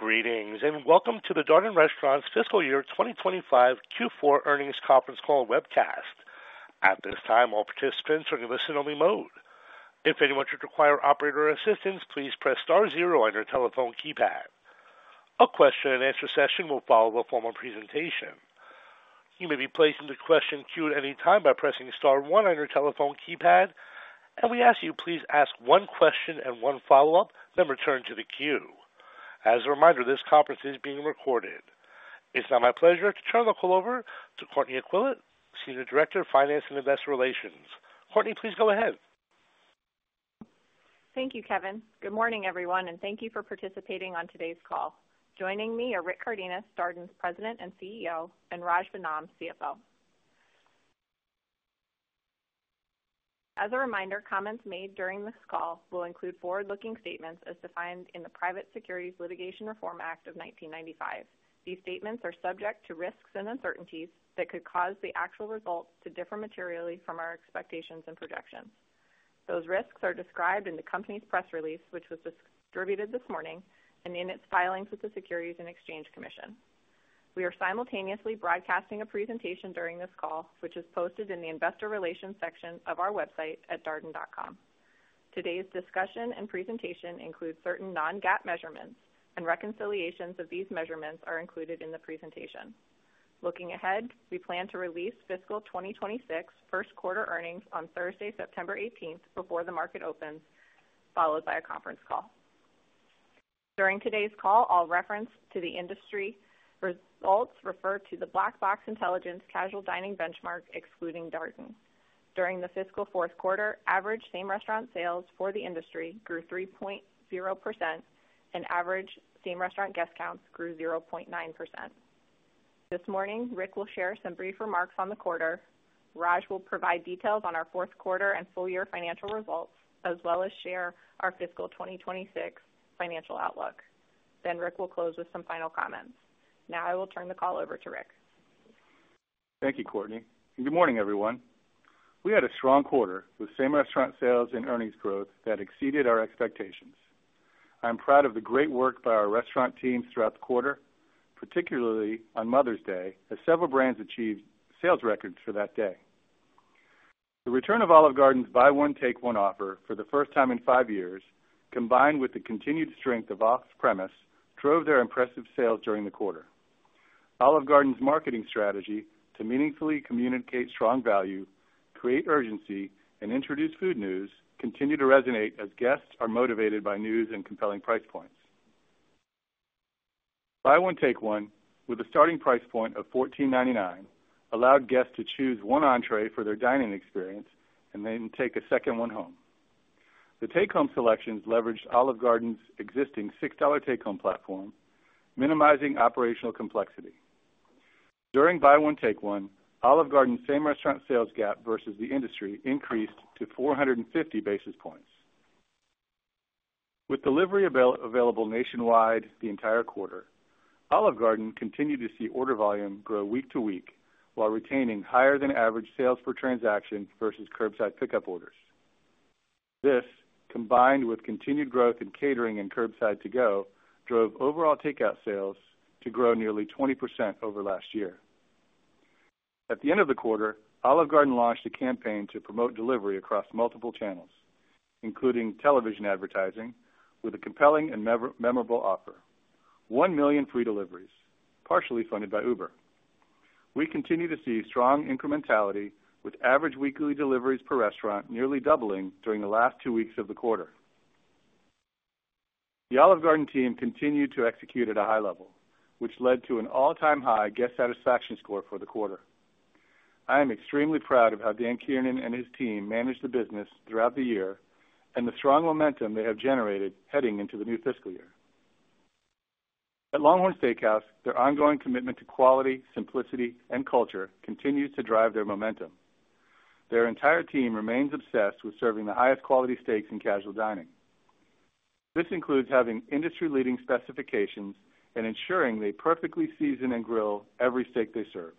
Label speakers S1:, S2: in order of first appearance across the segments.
S1: Greetings and welcome to the Darden Restaurants' Fiscal Year 2025 Q4 Earnings Conference Call webcast. At this time, all participants are in listen-only mode. If anyone should require operator assistance, please press star zero on your telephone keypad. A question-and-answer session will follow the formal presentation. You may be placed into question queue at any time by pressing star one on your telephone keypad, and we ask that you please ask one question and one follow-up, then return to the queue. As a reminder, this conference is being recorded. It's now my pleasure to turn the call over to Courtney Aquila, Senior Director of Finance and Investor Relations. Courtney, please go ahead.
S2: Thank you, Kevin. Good morning, everyone, and thank you for participating on today's call. Joining me are Rick Cardenas, Darden's President and CEO, and Raj Vennam, CFO. As a reminder, comments made during this call will include forward-looking statements as defined in the Private Securities Litigation Reform Act of 1995. These statements are subject to risks and uncertainties that could cause the actual results to differ materially from our expectations and projections. Those risks are described in the company's press release, which was distributed this morning and in its filings with the Securities and Exchange Commission. We are simultaneously broadcasting a presentation during this call, which is posted in the Investor Relations section of our website at darden.com. Today's discussion and presentation include certain non-GAAP measurements, and reconciliations of these measurements are included in the presentation. Looking ahead, we plan to release fiscal 2026 first-quarter earnings on Thursday, September 18th, before the market opens, followed by a conference call. During today's call, all reference to the industry results refer to the Black Box Intelligence casual dining benchmark, excluding Darden. During the fiscal fourth quarter, average same restaurant sales for the industry grew 3.0%, and average same restaurant guest counts grew 0.9%. This morning, Rick will share some brief remarks on the quarter. Raj will provide details on our fourth quarter and full-year financial results, as well as share our fiscal 2026 financial outlook. Rick will close with some final comments. Now I will turn the call over to Rick.
S3: Thank you, Courtney. Good morning, everyone. We had a strong quarter with same restaurant sales and earnings growth that exceeded our expectations. I'm proud of the great work by our restaurant teams throughout the quarter, particularly on Mother's Day, as several brands achieved sales records for that day. The return of Olive Garden's buy-one-take-one offer for the first time in five years, combined with the continued strength of off-premise, drove their impressive sales during the quarter. Olive Garden's marketing strategy to meaningfully communicate strong value, create urgency, and introduce food news continued to resonate as guests are motivated by news and compelling price points. Buy-one-take-one, with a starting price point of $14.99, allowed guests to choose one entrée for their dining experience and then take a second one home. The take-home selections leveraged Olive Garden's existing $6 take-home platform, minimizing operational complexity. During buy-one-take-one, Olive Garden's same restaurant sales gap versus the industry increased to 450 basis points. With delivery available nationwide the entire quarter, Olive Garden continued to see order volume grow week to week while retaining higher-than-average sales per transaction versus curbside pickup orders. This, combined with continued growth in catering and curbside to-go, drove overall takeout sales to grow nearly 20% over last year. At the end of the quarter, Olive Garden launched a campaign to promote delivery across multiple channels, including television advertising, with a compelling and memorable offer: one million free deliveries, partially funded by Uber. We continue to see strong incrementality, with average weekly deliveries per restaurant nearly doubling during the last two weeks of the quarter. The Olive Garden team continued to execute at a high level, which led to an all-time high guest satisfaction score for the quarter. I am extremely proud of how Dan Kiernan and his team managed the business throughout the year and the strong momentum they have generated heading into the new fiscal year. At LongHorn Steakhouse, their ongoing commitment to quality, simplicity, and culture continues to drive their momentum. Their entire team remains obsessed with serving the highest quality steaks in casual dining. This includes having industry-leading specifications and ensuring they perfectly season and grill every steak they serve.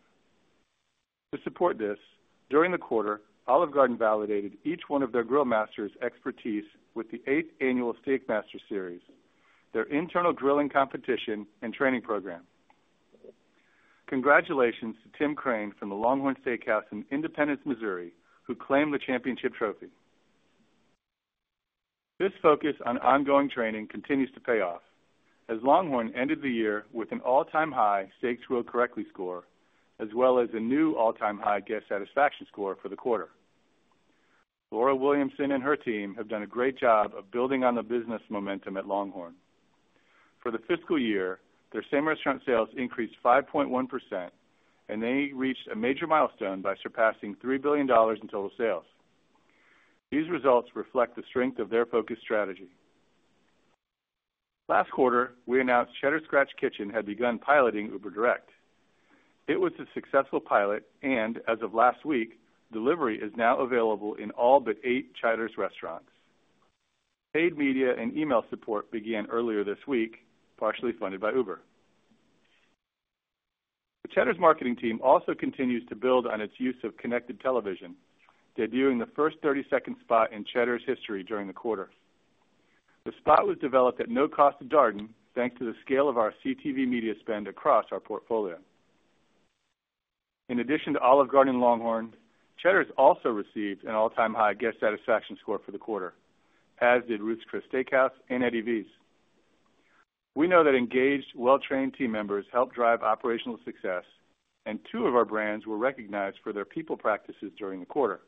S3: To support this, during the quarter, LongHorn Steakhouse validated each one of their grill masters' expertise with the eighth annual Steak Master Series, their internal grilling competition and training program. Congratulations to Tim Crane from the LongHorn Steakhouse in Independence, Missouri, who claimed the championship trophy. This focus on ongoing training continues to pay off, as LongHorn ended the year with an all-time high steak-grill-correctly score, as well as a new all-time high guest satisfaction score for the quarter. Laura Williamson and her team have done a great job of building on the business momentum at LongHorn. For the fiscal year, their same restaurant sales increased 5.1%, and they reached a major milestone by surpassing $3 billion in total sales. These results reflect the strength of their focused strategy. Last quarter, we announced Cheddar's Scratch Kitchen had begun piloting Uber Direct. It was a successful pilot, and as of last week, delivery is now available in all but eight Cheddar's restaurants. Paid media and email support began earlier this week, partially funded by Uber.The Cheddar's marketing team also continues to build on its use of connected television, debuting the first 30-second spot in Cheddar's history during the quarter. The spot was developed at no cost to Darden, thanks to the scale of our CTV media spend across our portfolio. In addition to Olive Garden and LongHorn, Cheddar's also received an all-time high guest satisfaction score for the quarter, as did Ruth's Chris Steak House and Eddie V's. We know that engaged, well-trained team members help drive operational success, and two of our brands were recognized for their people practices during the quarter.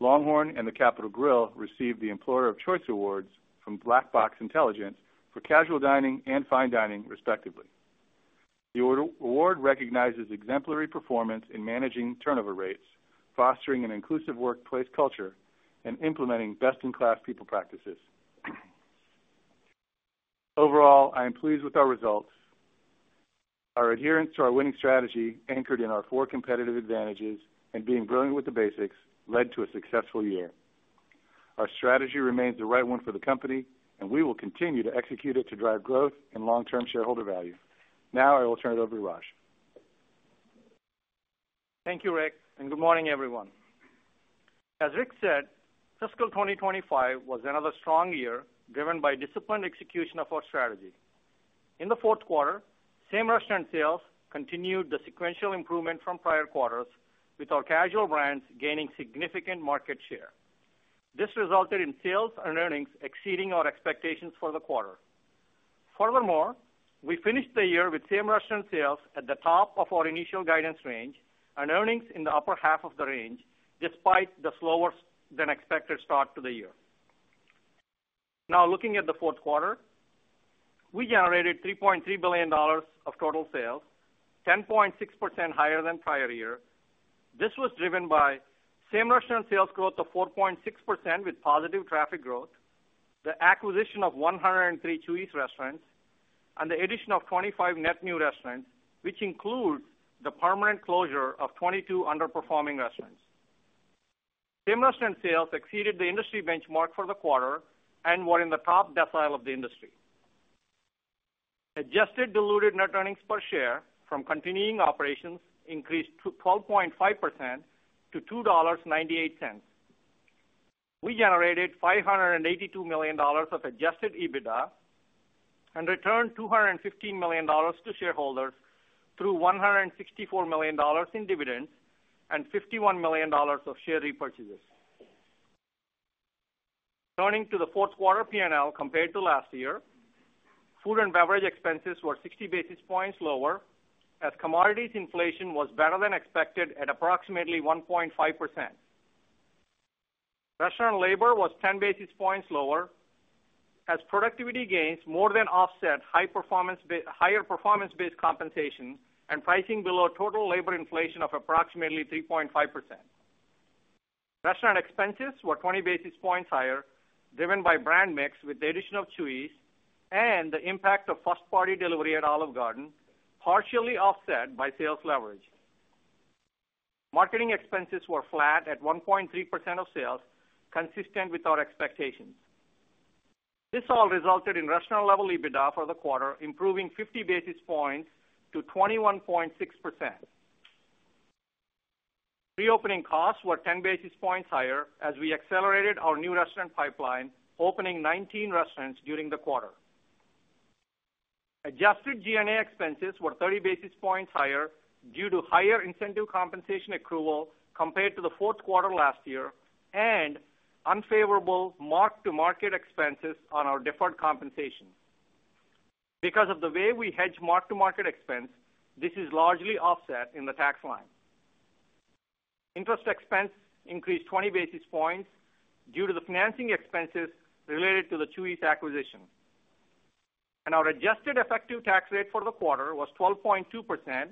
S3: LongHorn and The Capital Grille received the Employer of Choice Awards from Black Box Intelligence for casual dining and fine dining, respectively. The award recognizes exemplary performance in managing turnover rates, fostering an inclusive workplace culture, and implementing best-in-class people practices. Overall, I am pleased with our results. Our adherence to our winning strategy, anchored in our four competitive advantages and being brilliant with the basics, led to a successful year. Our strategy remains the right one for the company, and we will continue to execute it to drive growth and long-term shareholder value. Now I will turn it over to Raj.
S4: Thank you, Rick, and good morning, everyone. As Rick said, fiscal 2025 was another strong year driven by disciplined execution of our strategy. In the fourth quarter, same restaurant sales continued the sequential improvement from prior quarters, with our casual brands gaining significant market share. This resulted in sales and earnings exceeding our expectations for the quarter. Furthermore, we finished the year with same restaurant sales at the top of our initial guidance range and earnings in the upper half of the range, despite the slower-than-expected start to the year. Now, looking at the fourth quarter, we generated $3.3 billion of total sales, 10.6% higher than prior year. This was driven by same restaurant sales growth of 4.6% with positive traffic growth, the acquisition of 103 Chuy's restaurants, and the addition of 25 net new restaurants, which includes the permanent closure of 22 underperforming restaurants. Same restaurant sales exceeded the industry benchmark for the quarter and were in the top decile of the industry. Adjusted diluted net earnings per share from continuing operations increased 12.5% to $2.98. We generated $582 million of adjusted EBITDA and returned $215 million to shareholders through $164 million in dividends and $51 million of share repurchases. Turning to the fourth quarter P&L compared to last year, food and beverage expenses were 60 basis points lower, as commodities inflation was better than expected at approximately 1.5%. Restaurant labor was 10 basis points lower, as productivity gains more than offset higher performance-based compensation and pricing below total labor inflation of approximately 3.5%. Restaurant expenses were 20 basis points higher, driven by brand mix with the addition of Chuy's and the impact of first-party delivery at Olive Garden, partially offset by sales leverage. Marketing expenses were flat at 1.3% of sales, consistent with our expectations. This all resulted in restaurant-level EBITDA for the quarter, improving 50 basis points to 21.6%. Reopening costs were 10 basis points higher as we accelerated our new restaurant pipeline, opening 19 restaurants during the quarter. Adjusted G&A expenses were 30 basis points higher due to higher incentive compensation accrual compared to the fourth quarter last year and unfavorable mark-to-market expenses on our deferred compensation. Because of the way we hedge mark-to-market expense, this is largely offset in the tax line. Interest expense increased 20 basis points due to the financing expenses related to the Chuy's acquisition. Our adjusted effective tax rate for the quarter was 12.2%,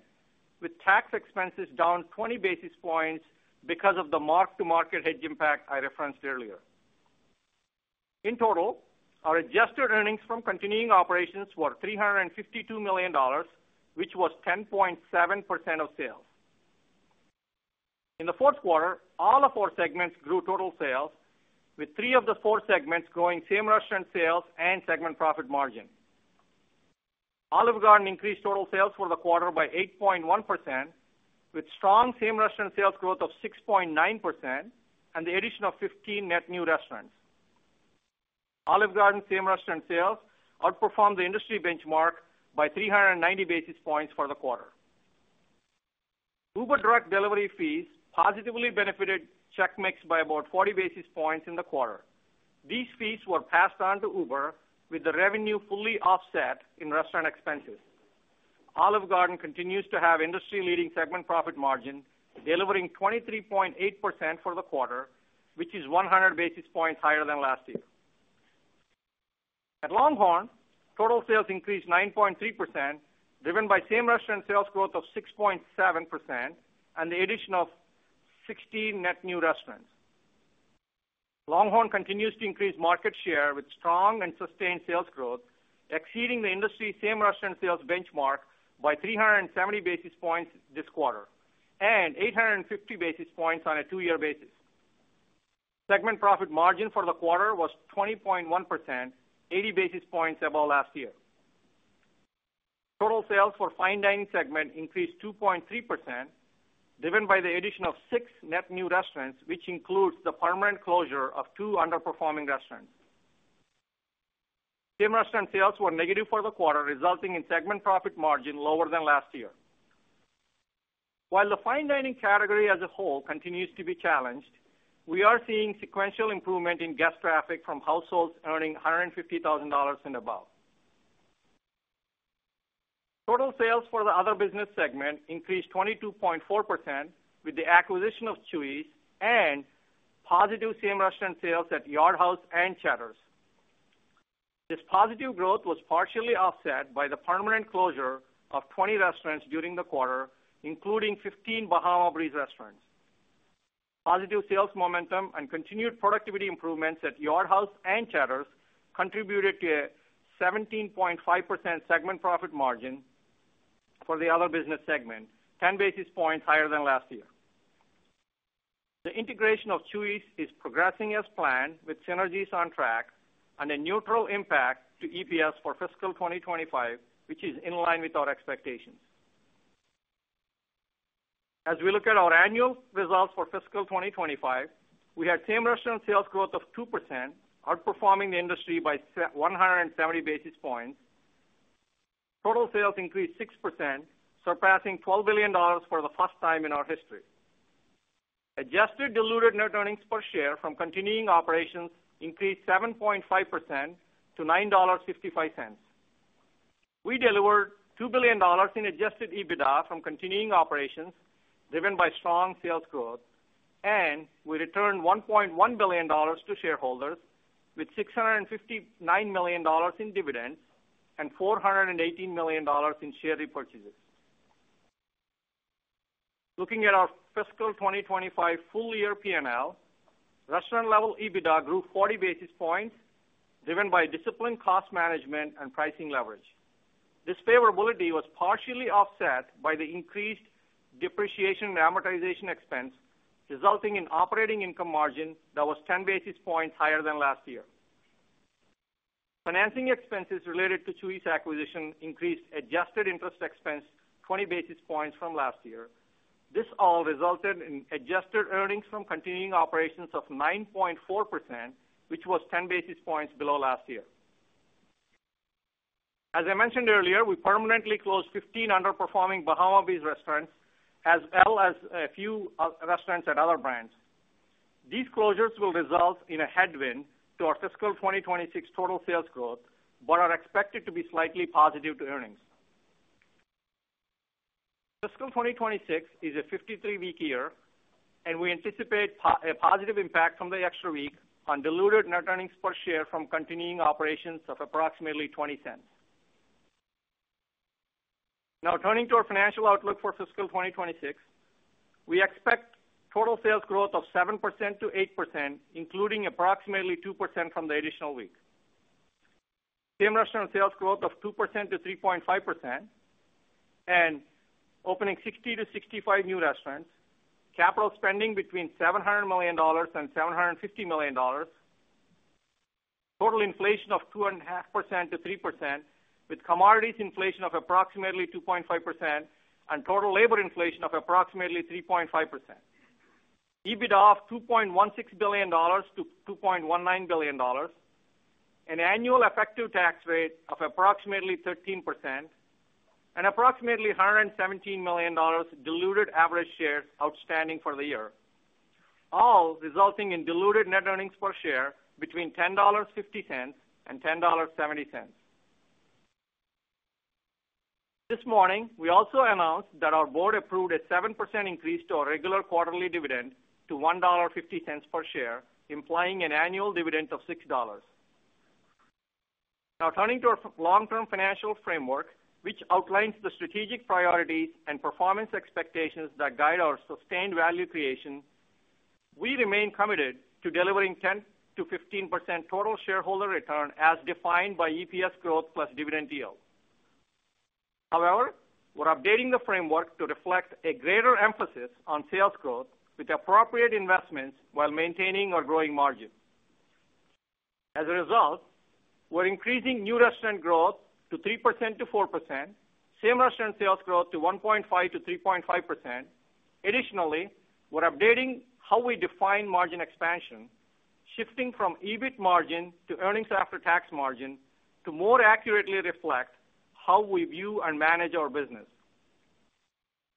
S4: with tax expenses down 20 basis points because of the mark-to-market hedge impact I referenced earlier.In total, our adjusted earnings from continuing operations were $352 million, which was 10.7% of sales. In the fourth quarter, all of our segments grew total sales, with three of the four segments growing same restaurant sales and segment profit margin. Olive Garden increased total sales for the quarter by 8.1%, with strong same restaurant sales growth of 6.9% and the addition of 15 net new restaurants. Olive Garden's same restaurant sales outperformed the industry benchmark by 390 basis points for the quarter. Uber Direct delivery fees positively benefited CheckMix by about 40 basis points in the quarter. These fees were passed on to Uber, with the revenue fully offset in restaurant expenses. Olive Garden continues to have industry-leading segment profit margin, delivering 23.8% for the quarter, which is 100 basis points higher than last year.At LongHorn, total sales increased 9.3%, driven by same restaurant sales growth of 6.7% and the addition of 16 net new restaurants. LongHorn continues to increase market share with strong and sustained sales growth, exceeding the industry same restaurant sales benchmark by 370 basis points this quarter and 850 basis points on a two-year basis. Segment profit margin for the quarter was 20.1%, 80 basis points above last year. Total sales for fine dining segment increased 2.3%, driven by the addition of six net new restaurants, which includes the permanent closure of two underperforming restaurants. Same restaurant sales were negative for the quarter, resulting in segment profit margin lower than last year. While the fine dining category as a whole continues to be challenged, we are seeing sequential improvement in guest traffic from households earning $150,000 and above. Total sales for the other business segment increased 22.4% with the acquisition of Chuy's and positive same restaurant sales at Yard House and Cheddar's. This positive growth was partially offset by the permanent closure of 20 restaurants during the quarter, including 15 Bahama Breeze restaurants. Positive sales momentum and continued productivity improvements at Yard House and Cheddar's contributed to a 17.5% segment profit margin for the other business segment, 10 basis points higher than last year. The integration of Chuy's is progressing as planned, with synergies on track and a neutral impact to EPS for fiscal 2025, which is in line with our expectations. As we look at our annual results for fiscal 2025, we had same restaurant sales growth of 2%, outperforming the industry by 170 basis points. Total sales increased 6%, surpassing $12 billion for the first time in our history. Adjusted diluted net earnings per share from continuing operations increased 7.5% to $9.55. We delivered $2 billion in adjusted EBITDA from continuing operations, driven by strong sales growth, and we returned $1.1 billion to shareholders, with $659 million in dividends and $418 million in share repurchases. Looking at our fiscal 2025 full-year P&L, restaurant-level EBITDA grew 40 basis points, driven by disciplined cost management and pricing leverage. This favorability was partially offset by the increased depreciation and amortization expense, resulting in operating income margin that was 10 basis points higher than last year. Financing expenses related to Chuy's acquisition increased adjusted interest expense 20 basis points from last year. This all resulted in adjusted earnings from continuing operations of 9.4%, which was 10 basis points below last year. As I mentioned earlier, we permanently closed 15 underperforming Bahama Breeze restaurants, as well as a few restaurants at other brands. These closures will result in a headwind to our fiscal 2026 total sales growth, but are expected to be slightly positive to earnings. Fiscal 2026 is a 53-week year, and we anticipate a positive impact from the extra week on diluted net earnings per share from continuing operations of approximately $0.20. Now, turning to our financial outlook for fiscal 2026, we expect total sales growth of 7%-8%, including approximately 2% from the additional week. Same restaurant sales growth of 2%-3.5%, and opening 60-65 new restaurants, capital spending between $700 million and $750 million, total inflation of 2.5%-3%, with commodities inflation of approximately 2.5% and total labor inflation of approximately 3.5%.EBITDA of $2.16 billion-$2.19 billion, an annual effective tax rate of approximately 13%, and approximately $117 million diluted average shares outstanding for the year, all resulting in diluted net earnings per share between $10.50 and $10.70. This morning, we also announced that our board approved a 7% increase to our regular quarterly dividend to $1.50 per share, implying an annual dividend of $6. Now, turning to our long-term financial framework, which outlines the strategic priorities and performance expectations that guide our sustained value creation, we remain committed to delivering 10%-15% total shareholder return as defined by EPS growth plus dividend yield. However, we're updating the framework to reflect a greater emphasis on sales growth with appropriate investments while maintaining our growing margin. As a result, we're increasing new restaurant growth to 3%-4%, same restaurant sales growth to 1.5%-3.5%. Additionally, we're updating how we define margin expansion, shifting from EBIT margin to earnings after tax margin to more accurately reflect how we view and manage our business.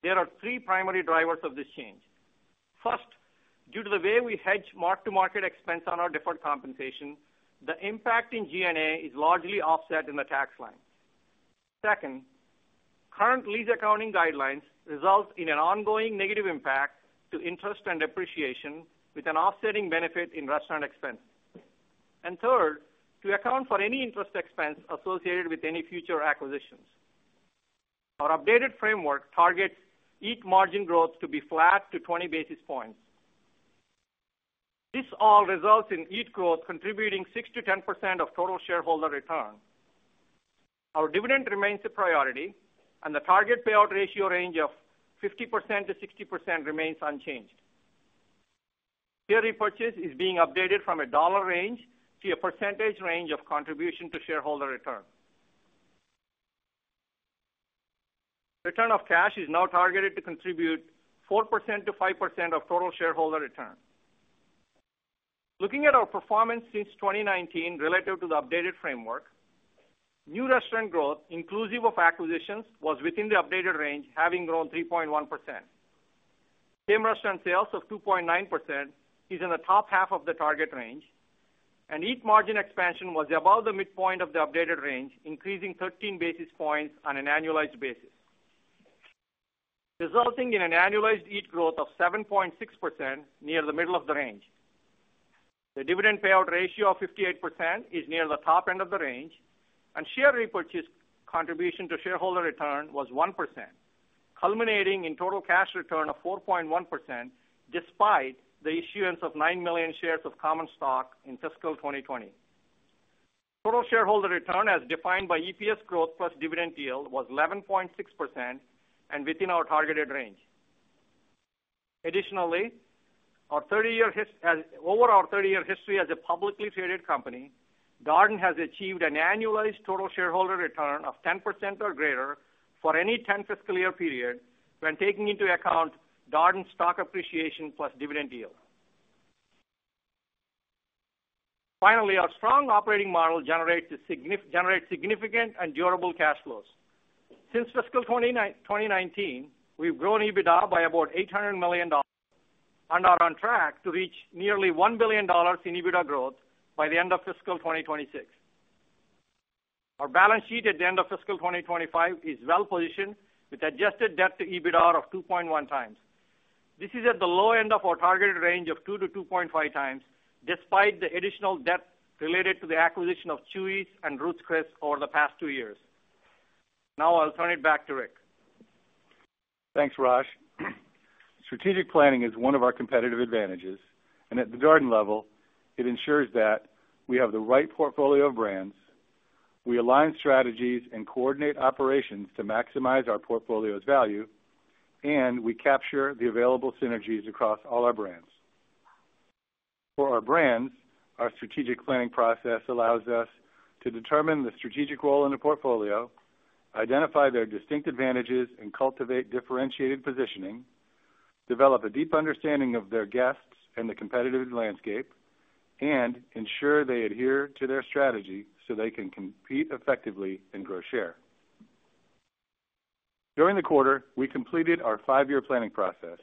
S4: There are three primary drivers of this change. First, due to the way we hedge mark-to-market expense on our deferred compensation, the impact in G&A is largely offset in the tax line. Second, current lease accounting guidelines result in an ongoing negative impact to interest and depreciation, with an offsetting benefit in restaurant expense. Third, to account for any interest expense associated with any future acquisitions. Our updated framework targets EAT margin growth to be flat to 20 basis points. This all results in EAT growth contributing 6-10% of total shareholder return. Our dividend remains a priority, and the target payout ratio range of 50%-60% remains unchanged. Share repurchase is being updated from a dollar range to a percentage range of contribution to shareholder return. Return of cash is now targeted to contribute 4%-5% of total shareholder return. Looking at our performance since 2019 relative to the updated framework, new restaurant growth, inclusive of acquisitions, was within the updated range, having grown 3.1%. Same restaurant sales of 2.9% is in the top half of the target range, and EAT margin expansion was above the midpoint of the updated range, increasing 13 basis points on an annualized basis, resulting in an annualized EAT growth of 7.6% near the middle of the range. The dividend payout ratio of 58% is near the top end of the range, and share repurchase contribution to shareholder return was 1%, culminating in total cash return of 4.1% despite the issuance of 9 million shares of common stock in fiscal 2020.Total shareholder return, as defined by EPS growth plus dividend yield, was 11.6% and within our targeted range. Additionally, over our 30-year history as a publicly traded company, Darden has achieved an annualized total shareholder return of 10% or greater for any 10 fiscal year period when taking into account Darden's stock appreciation plus dividend yield. Finally, our strong operating model generates significant and durable cash flows. Since fiscal 2019, we've grown EBITDA by about $800 million and are on track to reach nearly $1 billion in EBITDA growth by the end of fiscal 2026. Our balance sheet at the end of fiscal 2025 is well positioned with adjusted debt to EBITDA of 2.1 times. This is at the low end of our targeted range of 2-2.5 times, despite the additional debt related to the acquisition of Chuy's and Ruth's Chris Steak House over the past two years. Now, I'll turn it back to Rick.
S3: Thanks, Raj. Strategic planning is one of our competitive advantages, and at the Darden level, it ensures that we have the right portfolio of brands, we align strategies and coordinate operations to maximize our portfolio's value, and we capture the available synergies across all our brands. For our brands, our strategic planning process allows us to determine the strategic role in a portfolio, identify their distinct advantages, and cultivate differentiated positioning, develop a deep understanding of their guests and the competitive landscape, and ensure they adhere to their strategy so they can compete effectively and grow share. During the quarter, we completed our five-year planning process.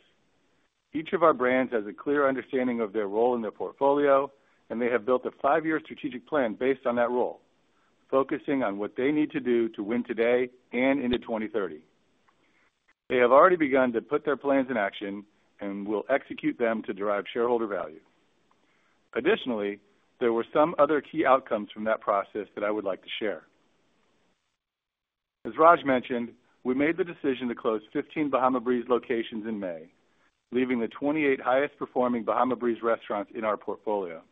S3: Each of our brands has a clear understanding of their role in their portfolio, and they have built a five-year strategic plan based on that role, focusing on what they need to do to win today and into 2030. They have already begun to put their plans in action and will execute them to derive shareholder value. Additionally, there were some other key outcomes from that process that I would like to share. As Raj mentioned, we made the decision to close 15 Bahama Breeze locations in May, leaving the 28 highest-performing Bahama Breeze restaurants in our portfolio.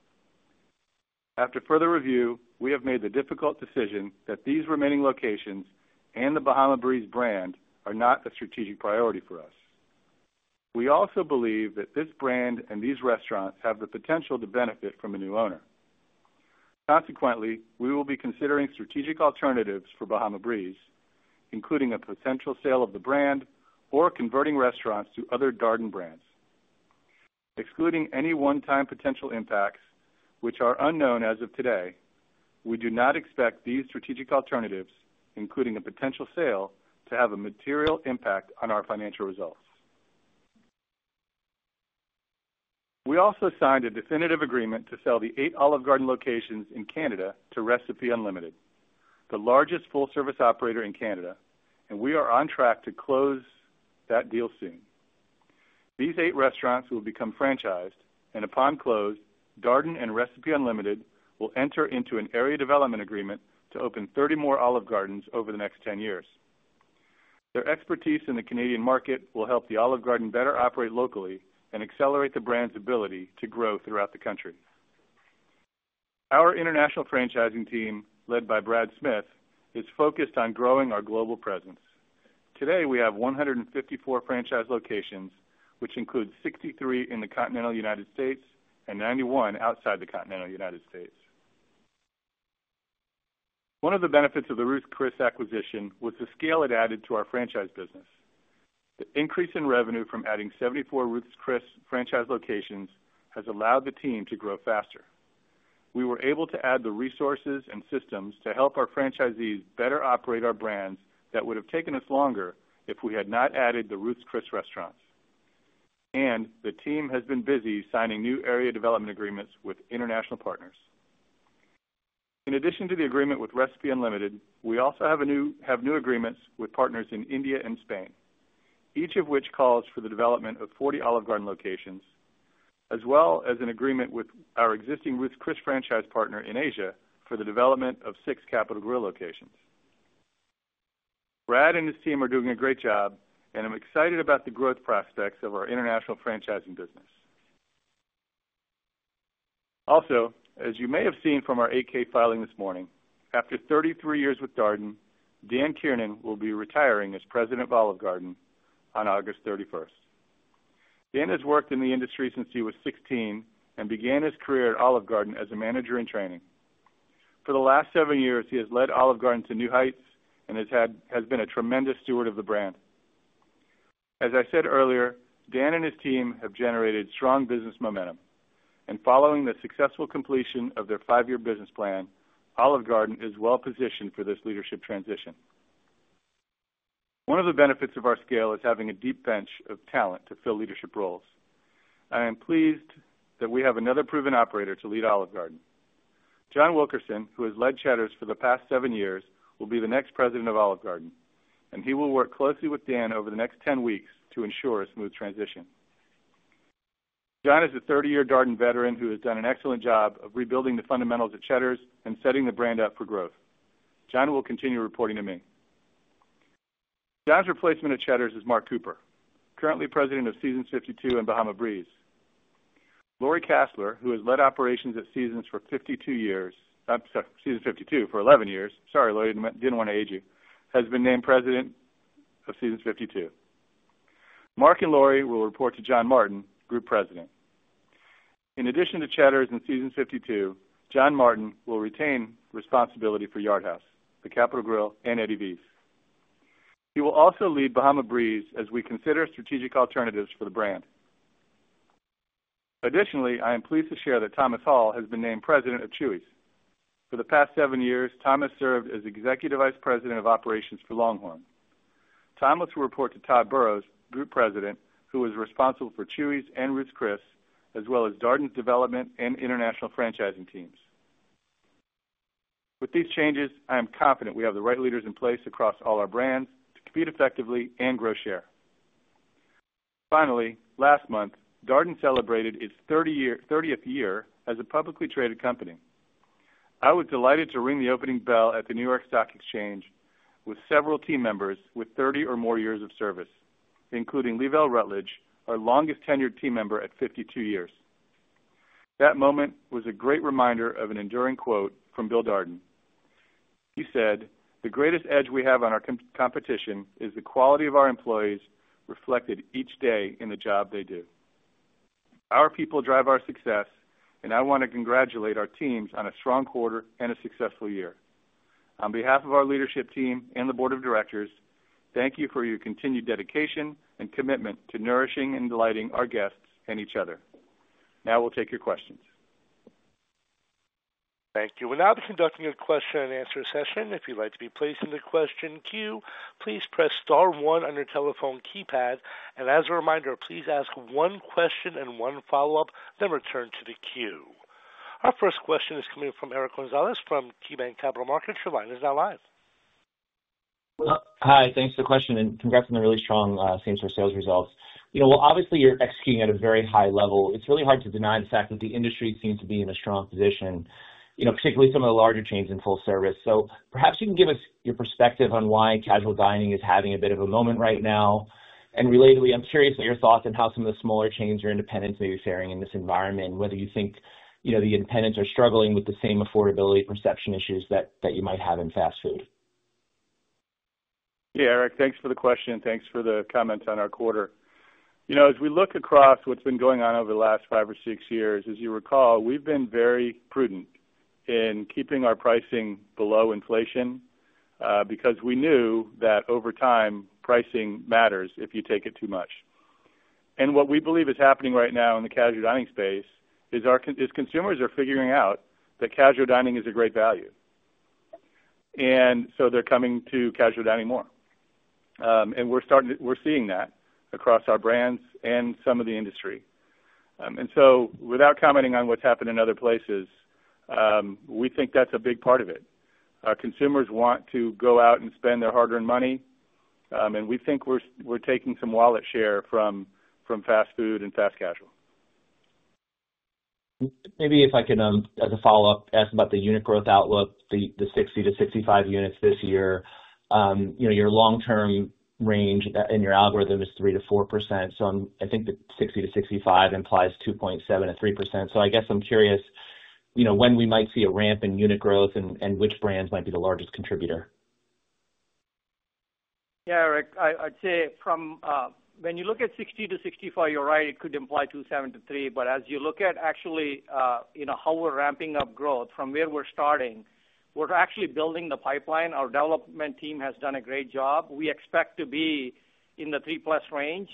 S3: After further review, we have made the difficult decision that these remaining locations and the Bahama Breeze brand are not a strategic priority for us. We also believe that this brand and these restaurants have the potential to benefit from a new owner. Consequently, we will be considering strategic alternatives for Bahama Breeze, including a potential sale of the brand or converting restaurants to other Darden brands. Excluding any one-time potential impacts, which are unknown as of today, we do not expect these strategic alternatives, including a potential sale, to have a material impact on our financial results. We also signed a definitive agreement to sell the eight Olive Garden locations in Canada to Recipe Unlimited, the largest full-service operator in Canada, and we are on track to close that deal soon. These eight restaurants will become franchised, and upon close, Darden and Recipe Unlimited will enter into an area development agreement to open 30 more Olive Gardens over the next 10 years. Their expertise in the Canadian market will help the Olive Garden better operate locally and accelerate the brand's ability to grow throughout the country. Our international franchising team, led by Brad Smith, is focused on growing our global presence. Today, we have 154 franchise locations, which includes 63 in the continental U.S. and 91 outside the continental U.S. One of the benefits of the Ruth's Chris acquisition was the scale it added to our franchise business. The increase in revenue from adding 74 Ruth's Chris franchise locations has allowed the team to grow faster. We were able to add the resources and systems to help our franchisees better operate our brands that would have taken us longer if we had not added the Ruth's Chris restaurants. The team has been busy signing new area development agreements with international partners.In addition to the agreement with Recipe Unlimited, we also have new agreements with partners in India and Spain, each of which calls for the development of 40 Olive Garden locations, as well as an agreement with our existing Roots Quest franchise partner in Asia for the development of six Capital Grille locations. Brad and his team are doing a great job, and I'm excited about the growth prospects of our international franchising business. Also, as you may have seen from our 8-K filing this morning, after 33 years with Darden, Dan Kiernan will be retiring as President of Olive Garden on August 31st. Dan has worked in the industry since he was 16 and began his career at Olive Garden as a manager in training. For the last seven years, he has led Olive Garden to new heights and has been a tremendous steward of the brand. As I said earlier, Dan and his team have generated strong business momentum, and following the successful completion of their five-year business plan, Olive Garden is well positioned for this leadership transition. One of the benefits of our scale is having a deep bench of talent to fill leadership roles. I am pleased that we have another proven operator to lead Olive Garden. John Wilkerson, who has led Cheddar's for the past seven years, will be the next President of Olive Garden, and he will work closely with Dan over the next 10 weeks to ensure a smooth transition. John is a 30-year Darden veteran who has done an excellent job of rebuilding the fundamentals at Cheddar's and setting the brand up for growth. John will continue reporting to me. John's replacement at Cheddar's is Mark Cooper, currently President of Seasons 52 and Bahama Breeze. Lori Kassler, who has led operations at Seasons 52 for 11 years—sorry, Lori, did not want to age you—has been named President of Seasons 52. Mark and Lori will report to John Martin, Group President. In addition to Cheddar's and Seasons 52, John Martin will retain responsibility for Yard House, The Capital Grille, and Eddie V's. He will also lead Bahama Breeze as we consider strategic alternatives for the brand. Additionally, I am pleased to share that Thomas Hall has been named President of Chuy's. For the past seven years, Thomas served as Executive Vice President of Operations for LongHorn. Thomas will report to Todd Burrows, Group President, who is responsible for Chuy's and Darden's development and international franchising teams. With these changes, I am confident we have the right leaders in place across all our brands to compete effectively and grow share. Finally, last month, Darden celebrated its 30th year as a publicly traded company. I was delighted to ring the opening bell at the New York Stock Exchange with several team members with 30 or more years of service, including Lievell Rutledge, our longest tenured team member at 52 years. That moment was a great reminder of an enduring quote from Bill Darden. He said, "The greatest edge we have on our competition is the quality of our employees reflected each day in the job they do." Our people drive our success, and I want to congratulate our teams on a strong quarter and a successful year. On behalf of our leadership team and the board of directors, thank you for your continued dedication and commitment to nourishing and delighting our guests and each other. Now we'll take your questions.
S1: Thank you. We're now conducting a question and answer session. If you'd like to be placed in the question queue, please press star one on your telephone keypad. As a reminder, please ask one question and one follow-up, then return to the queue. Our first question is coming from Eric Gonzalez from KeyBank Capital Markets. Your line is now live.
S5: Hi, thanks for the question, and congrats on the really strong, it seems, sales results. Obviously, you're executing at a very high level. It's really hard to deny the fact that the industry seems to be in a strong position, particularly some of the larger chains in full service. Perhaps you can give us your perspective on why casual dining is having a bit of a moment right now. Relatedly, I'm curious about your thoughts on how some of the smaller chains or independents may be faring in this environment, whether you think the independents are struggling with the same affordability perception issues that you might have in fast food.
S3: Yeah, Eric, thanks for the question, and thanks for the comments on our quarter. As we look across what's been going on over the last five or six years, as you recall, we've been very prudent in keeping our pricing below inflation because we knew that over time, pricing matters if you take it too much. What we believe is happening right now in the casual dining space is consumers are figuring out that casual dining is a great value. They're coming to casual dining more. We're seeing that across our brands and some of the industry. Without commenting on what's happened in other places, we think that's a big part of it. Consumers want to go out and spend their hard-earned money, and we think we're taking some wallet share from fast food and fast casual.
S5: Maybe if I can, as a follow-up, ask about the unit growth outlook, the 60-65 units this year. Your long-term range in your algorithm is 3-4%. I think the 60-65 implies 2.7-3%. I guess I'm curious when we might see a ramp in unit growth and which brands might be the largest contributor.
S4: Yeah, Eric, I'd say from when you look at 60-65, you're right, it could imply 2.7-3.As you look at actually how we're ramping up growth from where we're starting, we're actually building the pipeline. Our development team has done a great job. We expect to be in the 3-plus range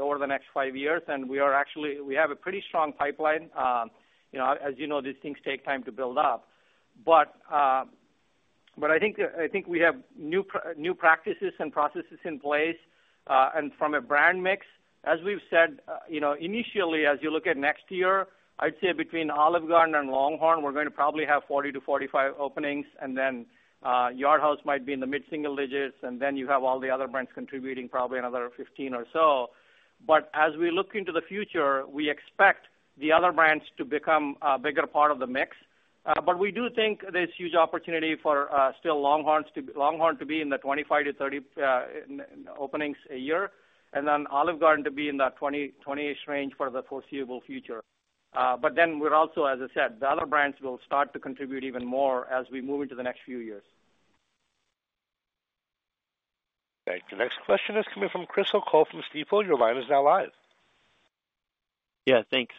S4: over the next five years, and we have a pretty strong pipeline. As you know, these things take time to build up. I think we have new practices and processes in place. From a brand mix, as we've said, initially, as you look at next year, I'd say between Olive Garden and LongHorn, we're going to probably have 40-45 openings, and Yard House might be in the mid-single digits, and then you have all the other brands contributing probably another 15 or so. As we look into the future, we expect the other brands to become a bigger part of the mix. We do think there's huge opportunity for still LongHorn to be in the 25-30 openings a year, and then Olive Garden to be in the 20, 20-ish range for the foreseeable future. We are also, as I said, the other brands will start to contribute even more as we move into the next few years.
S1: Thank you. Next question is coming from Chris O'Cull from Stifel. Your line is now live.
S6: Yeah, thanks.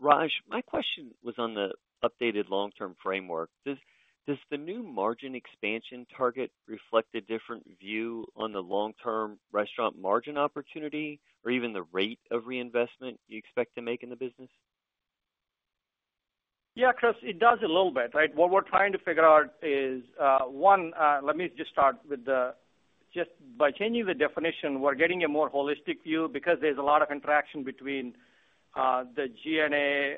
S6: Raj, my question was on the updated long-term framework. Does the new margin expansion target reflect a different view on the long-term restaurant margin opportunity or even the rate of reinvestment you expect to make in the business?
S4: Yeah, Chris, it does a little bit. What we're trying to figure out is, one, let me just start with just by changing the definition, we're getting a more holistic view because there's a lot of interaction between the GNA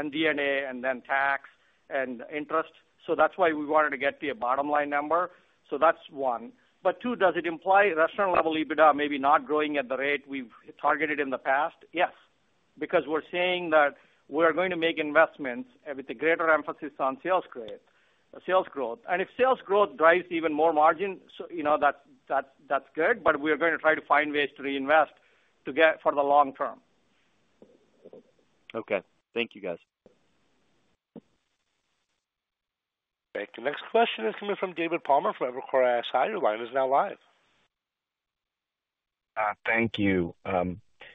S4: and DNA and then tax and interest. That's why we wanted to get to a bottom-line number. That's one. Two, does it imply restaurant-level EBITDA maybe not growing at the rate we've targeted in the past? Yes, because we're saying that we're going to make investments with a greater emphasis on sales growth. If sales growth drives even more margin, that's good, but we're going to try to find ways to reinvest for the long term.
S6: Okay. Thank you, guys.
S1: Thank you. Next question is coming from David Palmer from Evercore ISI. Your line is now live.
S7: Thank you.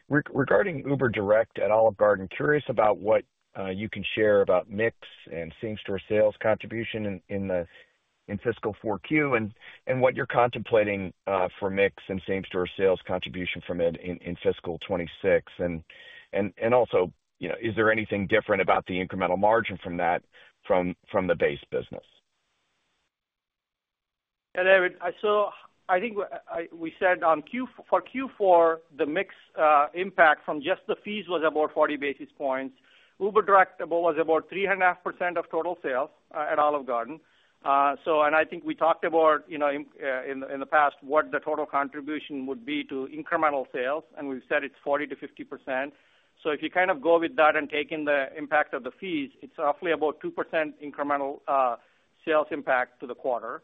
S7: Regarding UberDirect at Olive Garden, curious about what you can share about mix and same-store sales contribution in fiscal 4Q and what you're contemplating for mix and same-store sales contribution from it in fiscal 2026. Also, is there anything different about the incremental margin from that from the base business?
S4: Yeah, David, so I think we said for Q4, the mix impact from just the fees was about 40 basis points. UberDirect was about 3.5% of total sales at Olive Garden. I think we talked about in the past what the total contribution would be to incremental sales, and we've said it's 40-50%. If you kind of go with that and take in the impact of the fees, it's roughly about 2% incremental sales impact to the quarter.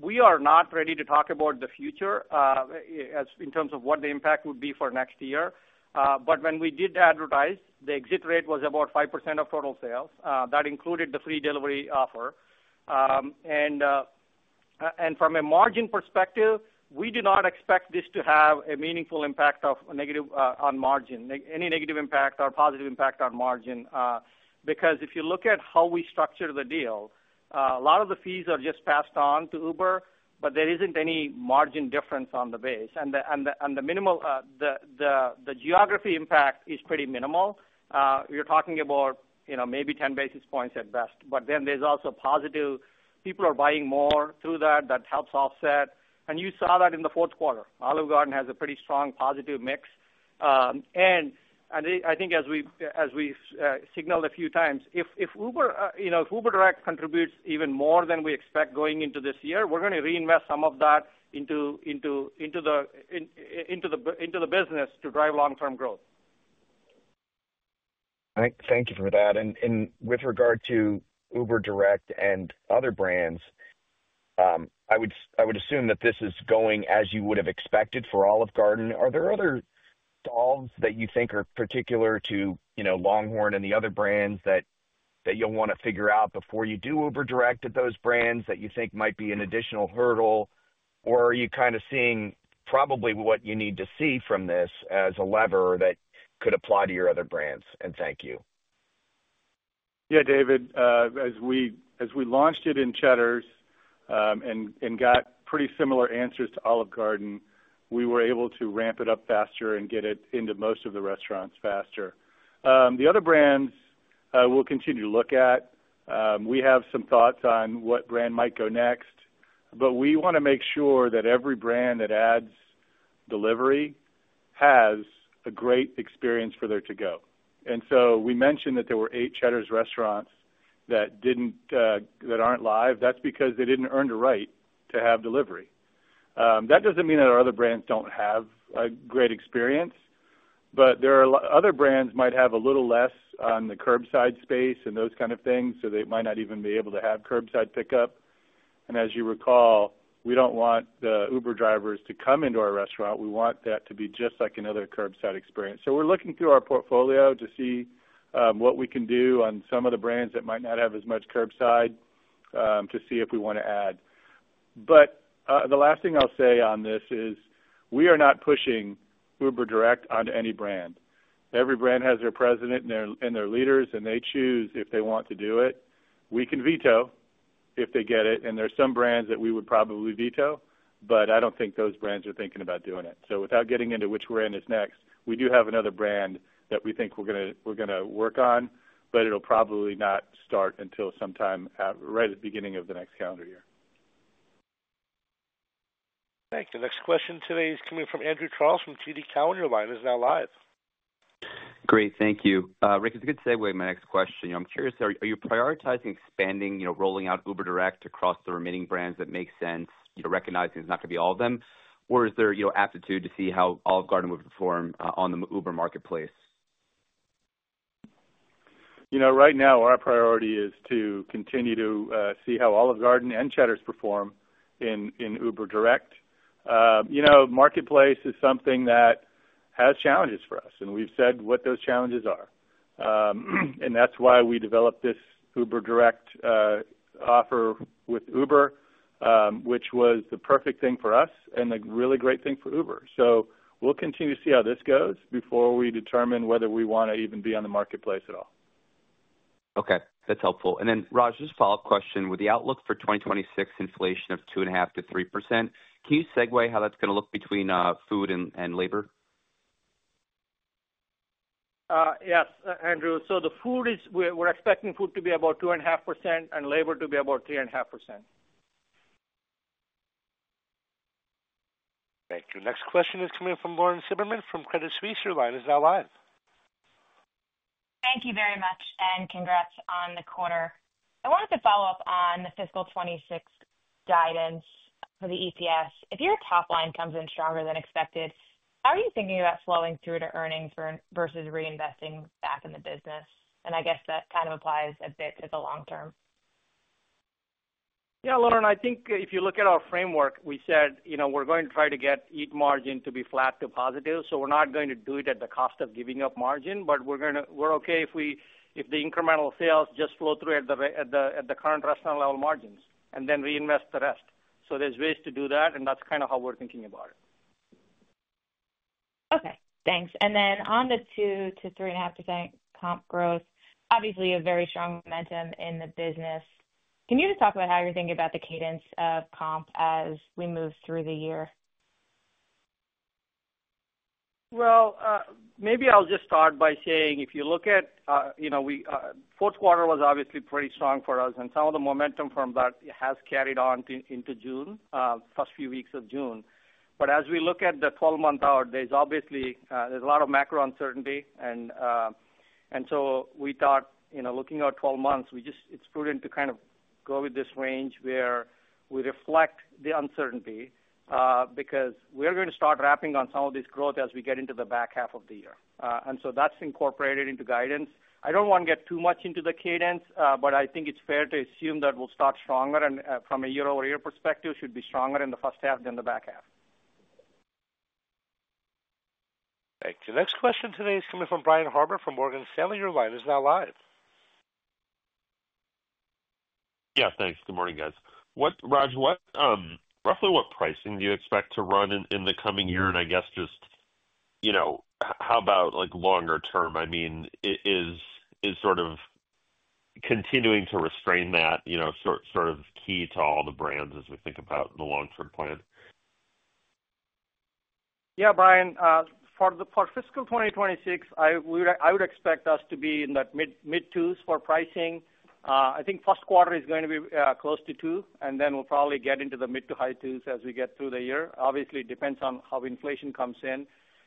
S4: We are not ready to talk about the future in terms of what the impact would be for next year. When we did advertise, the exit rate was about 5% of total sales. That included the free delivery offer. From a margin perspective, we do not expect this to have a meaningful impact on margin, any negative impact or positive impact on margin, because if you look at how we structure the deal, a lot of the fees are just passed on to Uber, but there is not any margin difference on the base. The geography impact is pretty minimal. You are talking about maybe 10 basis points at best. There is also positive, people are buying more through that. That helps offset. You saw that in the fourth quarter. Olive Garden has a pretty strong positive mix. I think as we signaled a few times, if UberDirect contributes even more than we expect going into this year, we're going to reinvest some of that into the business to drive long-term growth.
S7: Thank you for that. With regard to UberDirect and other brands, I would assume that this is going as you would have expected for Olive Garden. Are there other stalls that you think are particular to LongHorn and the other brands that you'll want to figure out before you do UberDirect at those brands that you think might be an additional hurdle? Are you kind of seeing probably what you need to see from this as a lever that could apply to your other brands? Thank you.
S3: Yeah, David, as we launched it in Cheddar's and got pretty similar answers to Olive Garden, we were able to ramp it up faster and get it into most of the restaurants faster. The other brands we'll continue to look at. We have some thoughts on what brand might go next, but we want to make sure that every brand that adds delivery has a great experience for their to-go. We mentioned that there were eight Cheddar's restaurants that aren't live. That's because they didn't earn the right to have delivery. That doesn't mean that our other brands don't have a great experience, but there are other brands that might have a little less on the curbside space and those kinds of things, so they might not even be able to have curbside pickup. As you recall, we do not want the Uber drivers to come into our restaurant. We want that to be just like another curbside experience. We are looking through our portfolio to see what we can do on some of the brands that might not have as much curbside to see if we want to add. The last thing I will say on this is we are not pushing UberDirect onto any brand. Every brand has their president and their leaders, and they choose if they want to do it. We can veto if they get it. There are some brands that we would probably veto, but I do not think those brands are thinking about doing it. Without getting into which brand is next, we do have another brand that we think we are going to work on, but it will probably not start until sometime right at the beginning of the next calendar year.
S1: Thank you. Next question today is coming from Andrew Charles from TD Cowen.Your line is now live.
S8: Great. Thank you. Rick, it is a good segue to my next question. I am curious, are you prioritizing expanding, rolling out UberDirect across the remaining brands that make sense, recognizing it is not going to be all of them? Or is there aptitude to see how Olive Garden would perform on the Uber marketplace?
S3: Right now, our priority is to continue to see how Olive Garden and Cheddar's perform in UberDirect. Marketplace is something that has challenges for us, and we have said what those challenges are. That is why we developed this UberDirect offer with Uber, which was the perfect thing for us and a really great thing for Uber. We will continue to see how this goes before we determine whether we want to even be on the marketplace at all.
S8: Okay. That is helpful. Then, Raj, just a follow-up question. With the outlook for 2026 inflation of 2.5-3%, can you segue how that is going to look between food and labor?
S4: Yes, Andrew. We are expecting food to be about 2.5% and labor to be about 3.5%.
S1: Thank you. Next question is coming from Lauren Silberman from Deutsche is now live.
S9: Thank you very much, and congrats on the quarter. I wanted to follow up on the fiscal 2026 guidance for the EPS. If your top line comes in stronger than expected, how are you thinking about flowing through to earnings versus reinvesting back in the business? I guess that kind of applies a bit to the long term.
S4: Yeah, Lauren, I think if you look at our framework, we said we're going to try to get EAT margin to be flat to positive. We are not going to do it at the cost of giving up margin, but we're okay if the incremental sales just flow through at the current restaurant-level margins and then reinvest the rest. There are ways to do that, and that's kind of how we're thinking about it.
S9: Okay. Thanks. On the 2-3.5% comp growth, obviously a very strong momentum in the business. Can you just talk about how you're thinking about the cadence of comp as we move through the year?
S4: If you look at fourth quarter, it was obviously pretty strong for us, and some of the momentum from that has carried on into June, first few weeks of June. As we look at the 12-month hour, there's obviously a lot of macro uncertainty. We thought, looking at 12 months, it's prudent to kind of go with this range where we reflect the uncertainty because we're going to start wrapping on some of this growth as we get into the back half of the year. That's incorporated into guidance. I don't want to get too much into the cadence, but I think it's fair to assume that we'll start stronger from a year-over-year perspective, should be stronger in the first half than the back half.
S1: Thank you. Next question today is coming from Brian Harbour from Morgan Stanley.Your line is now live.
S10: Yes, thanks. Good morning, guys. Raj, roughly what pricing do you expect to run in the coming year? And I guess just how about longer term? I mean, is sort of continuing to restrain that sort of key to all the brands as we think about the long-term plan?
S4: Yeah, Brian, for fiscal 2026, I would expect us to be in that mid-two's for pricing. I think first quarter is going to be close to 2, and then we'll probably get into the mid to high twos as we get through the year. Obviously, it depends on how inflation comes in,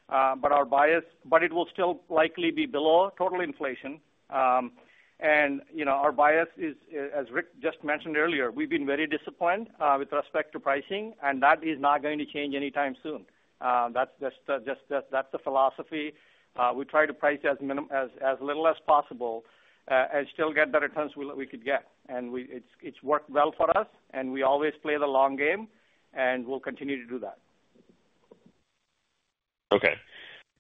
S4: but it will still likely be below total inflation. Our bias is, as Rick just mentioned earlier, we've been very disciplined with respect to pricing, and that is not going to change anytime soon. That's the philosophy. We try to price as little as possible and still get the returns we could get. It has worked well for us, and we always play the long game, and we will continue to do that. Okay.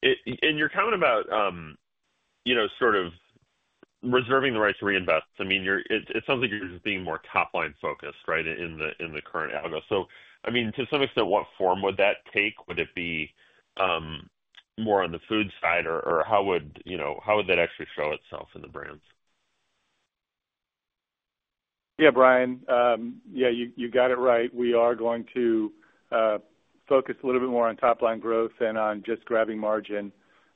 S4: You are talking about sort of reserving the right to reinvest. I mean, it sounds like you are just being more top-line focused, right, in the current algo. I mean, to some extent, what form would that take? Would it be more on the food side, or how would that actually show itself in the brands?
S3: Yeah, Brian, yeah, you got it right. We are going to focus a little bit more on top-line growth and on just grabbing margin.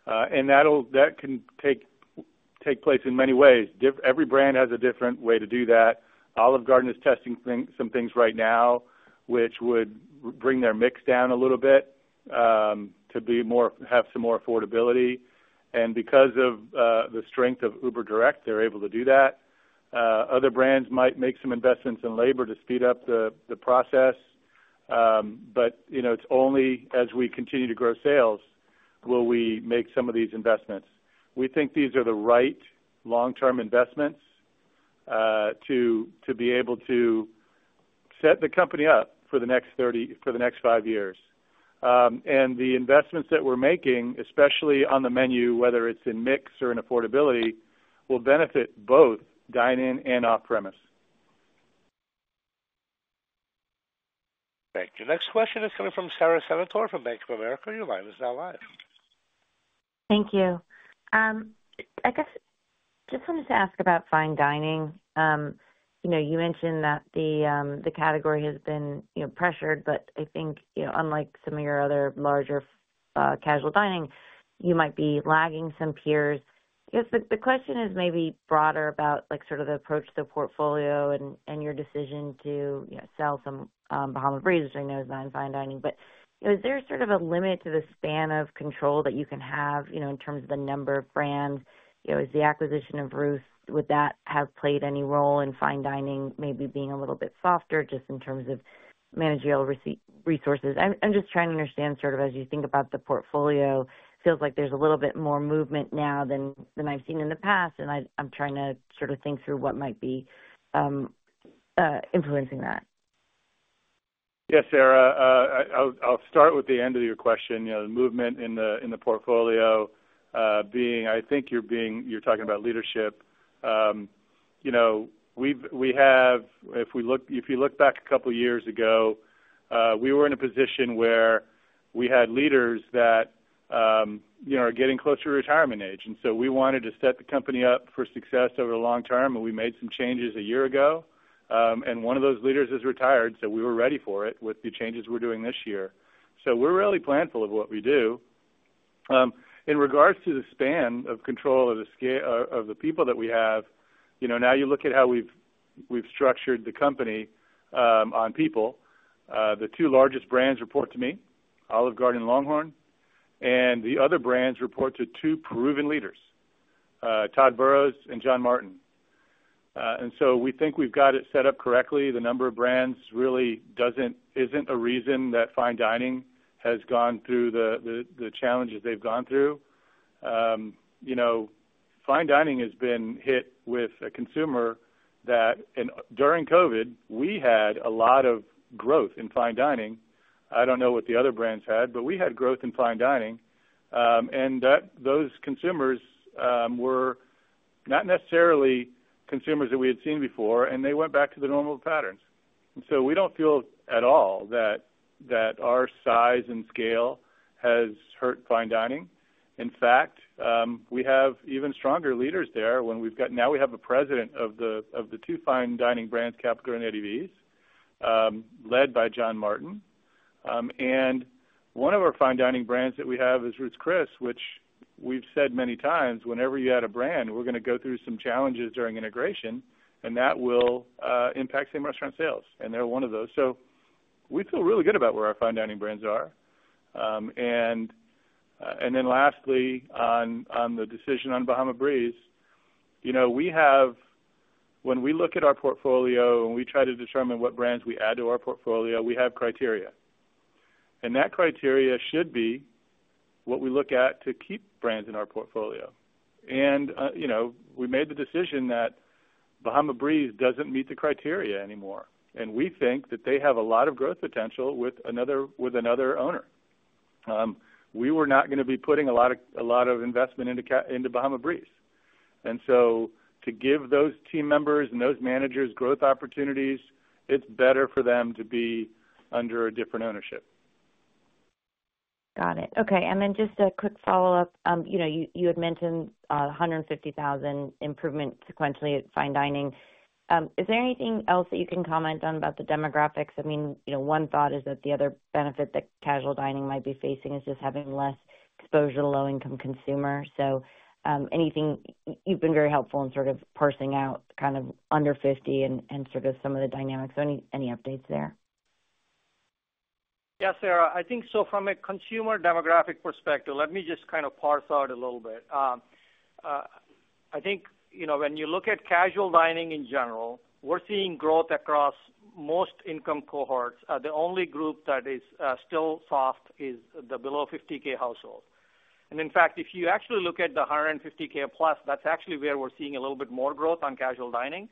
S3: That can take place in many ways. Every brand has a different way to do that. Olive Garden is testing some things right now, which would bring their mix down a little bit to have some more affordability. Because of the strength of UberDirect, they're able to do that. Other brands might make some investments in labor to speed up the process, but it's only as we continue to grow sales will we make some of these investments. We think these are the right long-term investments to be able to set the company up for the next five years. The investments that we're making, especially on the menu, whether it's in mix or in affordability, will benefit both dine-in and off-premise.
S1: Thank you. Next question is coming from Sara Senatore from Bank of America. Your line is now live.
S11: Thank you. I guess just wanted to ask about fine dining. You mentioned that the category has been pressured, but I think unlike some of your other larger casual dining, you might be lagging some peers. I guess the question is maybe broader about sort of the approach to the portfolio and your decision to sell some Bahama Breeze, which I know is not in fine dining. Is there sort of a limit to the span of control that you can have in terms of the number of brands? Is the acquisition of Ruth, would that have played any role in fine dining maybe being a little bit softer just in terms of managerial resources? I'm just trying to understand sort of as you think about the portfolio, it feels like there's a little bit more movement now than I've seen in the past, and I'm trying to sort of think through what might be influencing that.
S3: Yes, Sarah. I'll start with the end of your question, the movement in the portfolio being, I think you're talking about leadership. We have, if you look back a couple of years ago, we were in a position where we had leaders that are getting close to retirement age. We wanted to set the company up for success over the long term, and we made some changes a year ago. One of those leaders has retired, so we were ready for it with the changes we're doing this year. We're really planful of what we do. In regards to the span of control of the people that we have, now you look at how we've structured the company on people. The two largest brands report to me, Olive Garden and LongHorn, and the other brands report to two proven leaders, Todd Burrows and John Martin. We think we've got it set up correctly. The number of brands really isn't a reason that fine dining has gone through the challenges they've gone through. Fine dining has been hit with a consumer that during COVID, we had a lot of growth in fine dining. I don't know what the other brands had, but we had growth in fine dining. Those consumers were not necessarily consumers that we had seen before, and they went back to the normal patterns. We don't feel at all that our size and scale has hurt fine dining. In fact, we have even stronger leaders there. Now we have a President of the two fine dining brands, The Capital Grille and Eddie V's, led by John Martin. One of our fine dining brands that we have is Ruth's Chris, which we've said many times, whenever you add a brand, we're going to go through some challenges during integration, and that will impact same restaurant sales. They're one of those. We feel really good about where our fine dining brands are. Lastly, on the decision on Bahama Breeze, when we look at our portfolio and we try to determine what brands we add to our portfolio, we have criteria. That criteria should be what we look at to keep brands in our portfolio. We made the decision that Bahama Breeze does not meet the criteria anymore. We think that they have a lot of growth potential with another owner. We were not going to be putting a lot of investment into Bahama Breeze. To give those team members and those managers growth opportunities, it's better for them to be under a different ownership.
S11: Got it. Okay. Just a quick follow-up. You had mentioned $150,000 improvement sequentially at fine dining. Is there anything else that you can comment on about the demographics? I mean, one thought is that the other benefit that casual dining might be facing is just having less exposure to low-income consumers. You have been very helpful in sort of parsing out kind of under $50,000 and sort of some of the dynamics. Any updates there?
S4: Yes, Sarah. I think from a consumer demographic perspective, let me just kind of parse out a little bit. I think when you look at casual dining in general, we are seeing growth across most income cohorts. The only group that is still soft is the below $50,000 household. In fact, if you actually look at the $150,000 plus, that's actually where we're seeing a little bit more growth on casual dining.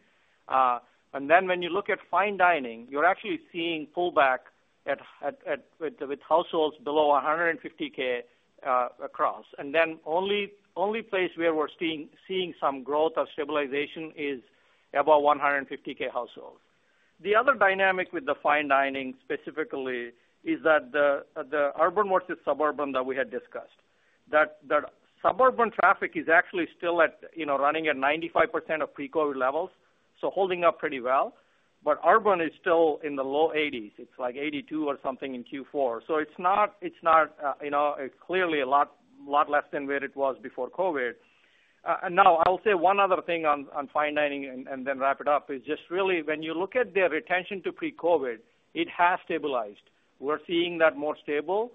S4: When you look at fine dining, you're actually seeing pullback with households below $150,000 across. The only place where we're seeing some growth or stabilization is above $150,000 households. The other dynamic with the fine dining specifically is that the urban versus suburban that we had discussed. That suburban traffic is actually still running at 95% of pre-COVID levels, so holding up pretty well. Urban is still in the low 80s. It's like 82% or something in Q4. It's clearly a lot less than where it was before COVID. I'll say one other thing on fine dining and then wrap it up. It's just really when you look at their retention to pre-COVID, it has stabilized. We're seeing that more stable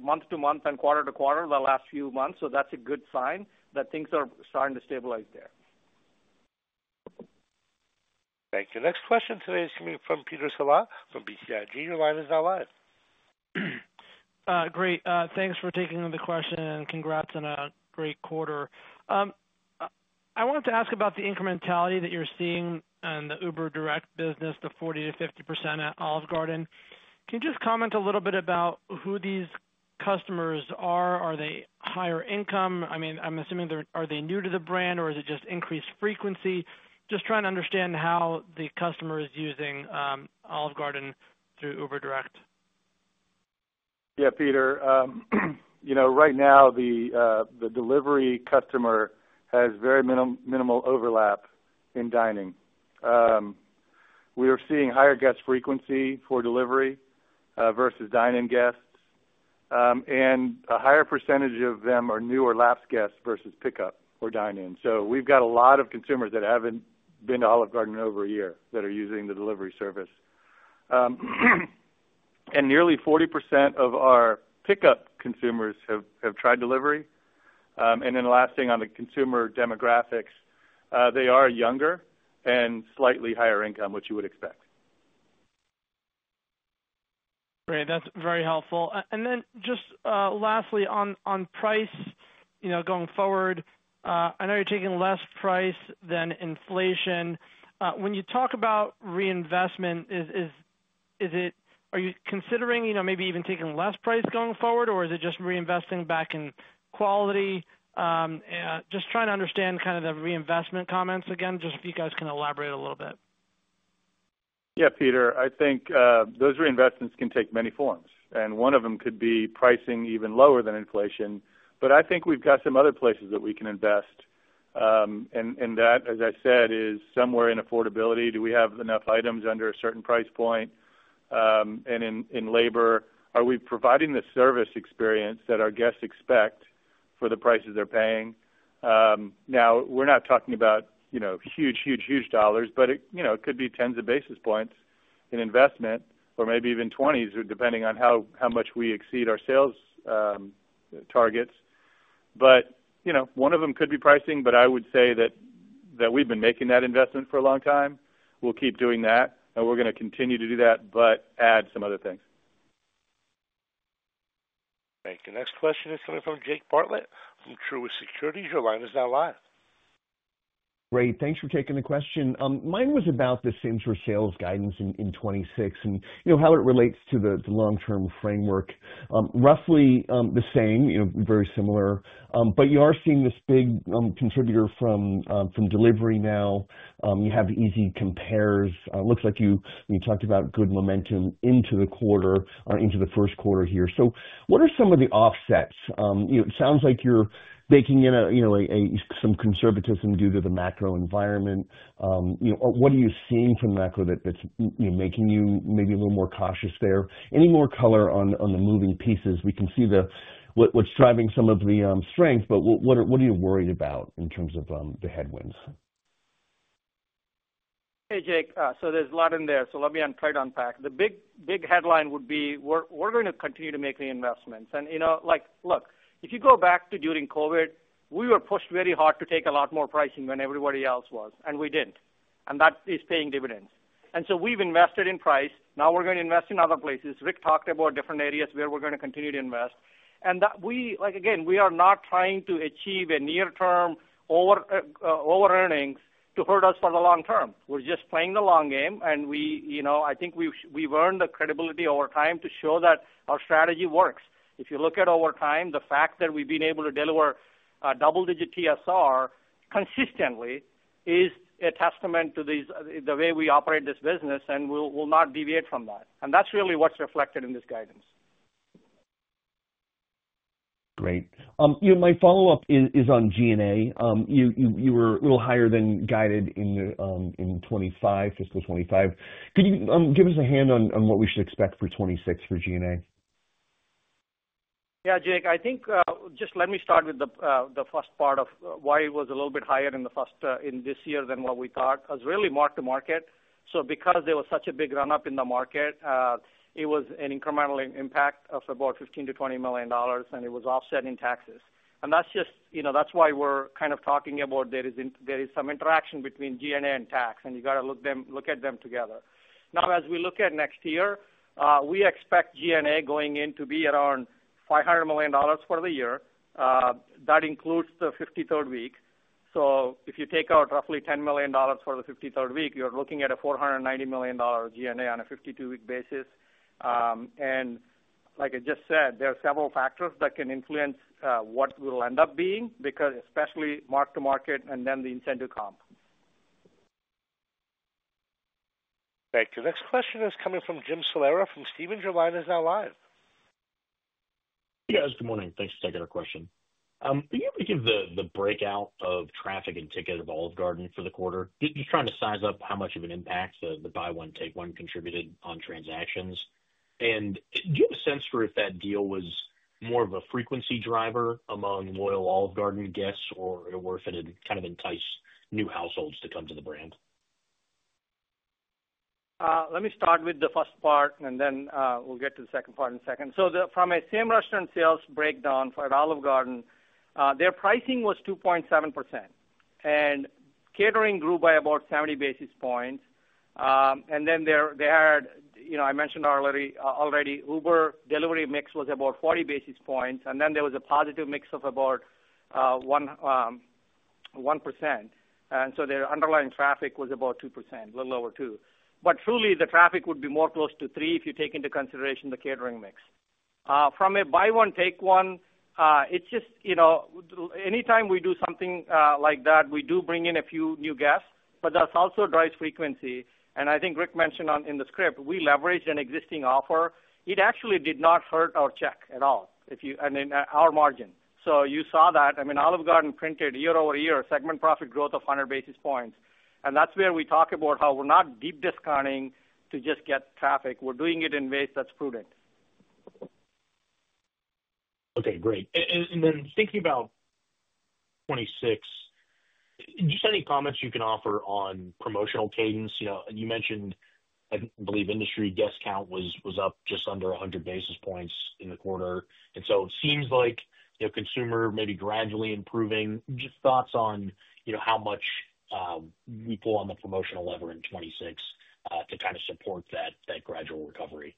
S4: month to month and quarter to quarter the last few months. So that's a good sign that things are starting to stabilize there.
S1: Thank you. Next question today is coming from Peter Saleh from BCIG. Your line is now live.
S12: Great. Thanks for taking the question and congrats on a great quarter. I wanted to ask about the incrementality that you're seeing in the UberDirect business, the 40-50% at Olive Garden. Can you just comment a little bit about who these customers are? Are they higher income? I mean, I'm assuming are they new to the brand, or is it just increased frequency? Just trying to understand how the customer is using Olive Garden through UberDirect.
S3: Yeah, Peter. Right now, the delivery customer has very minimal overlap in dining. We are seeing higher guest frequency for delivery versus dine-in guests. A higher percentage of them are new or lapse guests versus pickup or dine-in. We have a lot of consumers that have not been to Olive Garden in over a year that are using the delivery service. Nearly 40% of our pickup consumers have tried delivery. The last thing on the consumer demographics, they are younger and slightly higher income, which you would expect.
S12: Great. That is very helpful. Lastly, on price going forward, I know you are taking less price than inflation. When you talk about reinvestment, are you considering maybe even taking less price going forward, or is it just reinvesting back in quality? Just trying to understand kind of the reinvestment comments again, just if you guys can elaborate a little bit.
S3: Yeah, Peter. I think those reinvestments can take many forms. One of them could be pricing even lower than inflation. I think we've got some other places that we can invest. That, as I said, is somewhere in affordability. Do we have enough items under a certain price point? In labor, are we providing the service experience that our guests expect for the prices they're paying? We're not talking about huge, huge, huge dollars, but it could be tens of basis points in investment or maybe even twenties, depending on how much we exceed our sales targets. One of them could be pricing, but I would say that we've been making that investment for a long time. We'll keep doing that, and we're going to continue to do that, but add some other things.
S1: Thank you. Next question is coming from Jake Bartlett from Truist Securities. Your line is now live. Great.
S13: Thanks for taking the question. Mine was about the Sims for sales guidance in 2026 and how it relates to the long-term framework. Roughly the same, very similar. You are seeing this big contributor from delivery now. You have easy compares. Looks like you talked about good momentum into the quarter or into the first quarter here. What are some of the offsets? It sounds like you're baking in some conservatism due to the macro environment. What are you seeing from macro that's making you maybe a little more cautious there? Any more color on the moving pieces? We can see what's driving some of the strength, but what are you worried about in terms of the headwinds?
S4: Hey, Jake. There's a lot in there. Let me try to unpack. The big headline would be we're going to continue to make reinvestments. Look, if you go back to during COVID, we were pushed very hard to take a lot more pricing than everybody else was, and we did not. That is paying dividends. We have invested in price. Now we are going to invest in other places. Rick talked about different areas where we are going to continue to invest. We are not trying to achieve a near-term over-earnings to hurt us for the long term. We are just playing the long game, and I think we have earned the credibility over time to show that our strategy works. If you look at over time, the fact that we have been able to deliver double-digit TSR consistently is a testament to the way we operate this business, and we will not deviate from that. That is really what is reflected in this guidance.
S13: Great. My follow-up is on G&A. You were a little higher than guided in 2025, fiscal 2025. Could you give us a hand on what we should expect for 2026 for G&A?
S4: Yeah, Jake. I think just let me start with the first part of why it was a little bit higher in this year than what we thought. It was really mark-to-market. So because there was such a big run-up in the market, it was an incremental impact of about $15 million-$20 million, and it was offset in taxes. That is why we are kind of talking about there is some interaction between G&A and tax, and you got to look at them together. Now, as we look at next year, we expect G&A going in to be around $500 million for the year. That includes the 53rd week. If you take out roughly $10 million for the 53rd week, you're looking at a $490 million G&A on a 52-week basis. Like I just said, there are several factors that can influence what we'll end up being because especially mark-to-market and then the incentive comp.
S1: Thank you. Next question is coming from Jim Salera from Stephens. Your line is now live.
S14: Hey, guys. Good morning. Thanks for taking our question. Can you give the breakout of traffic and ticket of Olive Garden for the quarter? Just trying to size up how much of an impact the buy-one-take-one contributed on transactions. Do you have a sense for if that deal was more of a frequency driver among loyal Olive Garden guests or if it had kind of enticed new households to come to the brand?
S4: Let me start with the first part, and then we'll get to the second part in a second. From a same restaurant sales breakdown for Olive Garden, their pricing was 2.7%. Catering grew by about 70 basis points. I mentioned already, Uber delivery mix was about 40 basis points. There was a positive mix of about 1%. Their underlying traffic was about 2%, a little over two. Truly, the traffic would be more close to 3% if you take into consideration the catering mix. From a buy-one-take-one, it's just anytime we do something like that, we do bring in a few new guests. That also drives frequency. I think Rick mentioned in the script, we leveraged an existing offer. It actually did not hurt our check at all and our margin. You saw that. I mean, Olive Garden printed year over year segment profit growth of 100 basis points. That is where we talk about how we are not deep discounting to just get traffic. We are doing it in ways that are prudent.
S14: Okay. Great. Then thinking about 2026, just any comments you can offer on promotional cadence? You mentioned, I believe, industry guest count was up just under 100 basis points in the quarter. It seems like consumer may be gradually improving. Just thoughts on how much we pull on the promotional lever in 2026 to kind of support that gradual recovery?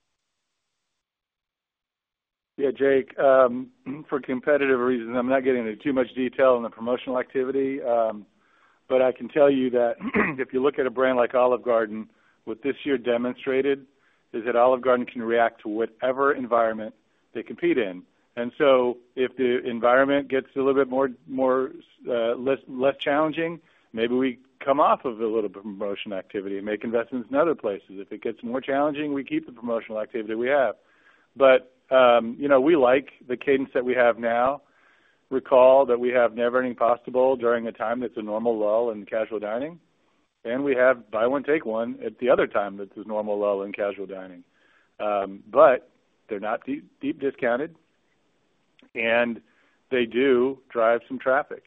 S3: Yeah, Jake. For competitive reasons, I am not getting into too much detail on the promotional activity.I can tell you that if you look at a brand like Olive Garden, what this year demonstrated is that Olive Garden can react to whatever environment they compete in. If the environment gets a little bit less challenging, maybe we come off of a little bit of promotional activity and make investments in other places. If it gets more challenging, we keep the promotional activity we have. We like the cadence that we have now. Recall that we have Never-Ending Pasta Bowl during a time that is a normal lull in casual dining. We have buy-one-take-one at the other time that is a normal lull in casual dining. They are not deep discounted, and they do drive some traffic.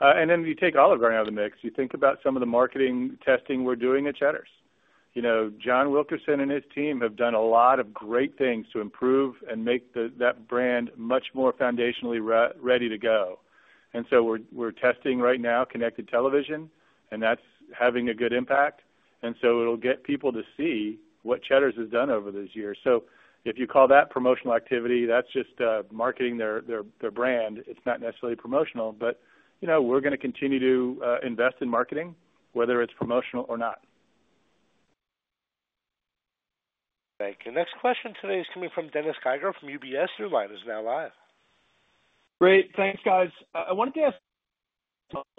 S3: Then you take Olive Garden out of the mix, you think about some of the marketing testing we are doing at Cheddar's. John Wilkerson and his team have done a lot of great things to improve and make that brand much more foundationally ready to go. We're testing right now connected television, and that's having a good impact. It'll get people to see what Cheddar's has done over this year. If you call that promotional activity, that's just marketing their brand. It's not necessarily promotional, but we're going to continue to invest in marketing, whether it's promotional or not.
S1: Thank you. Next question today is coming from Dennis Geiger from UBS. Your line is now live.
S15: Great. Thanks, guys. I wanted to ask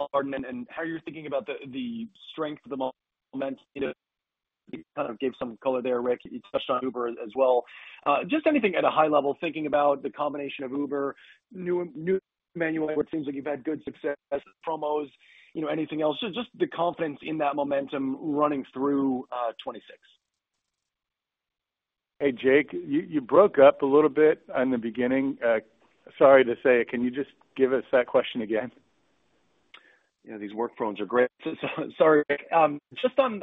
S15: Olive Garden and how you're thinking about the strength of the momentum. You kind of gave some color there, Rick. You touched on Uber as well. Just anything at a high level, thinking about the combination of Uber, new menu, what seems like you've had good success, promos, anything else, just the confidence in that momentum running through 2026.
S3: Hey, Jake, you broke up a little bit in the beginning. Sorry to say it. Can you just give us that question again? These work phones are great.
S15: Sorry, Rick. Just on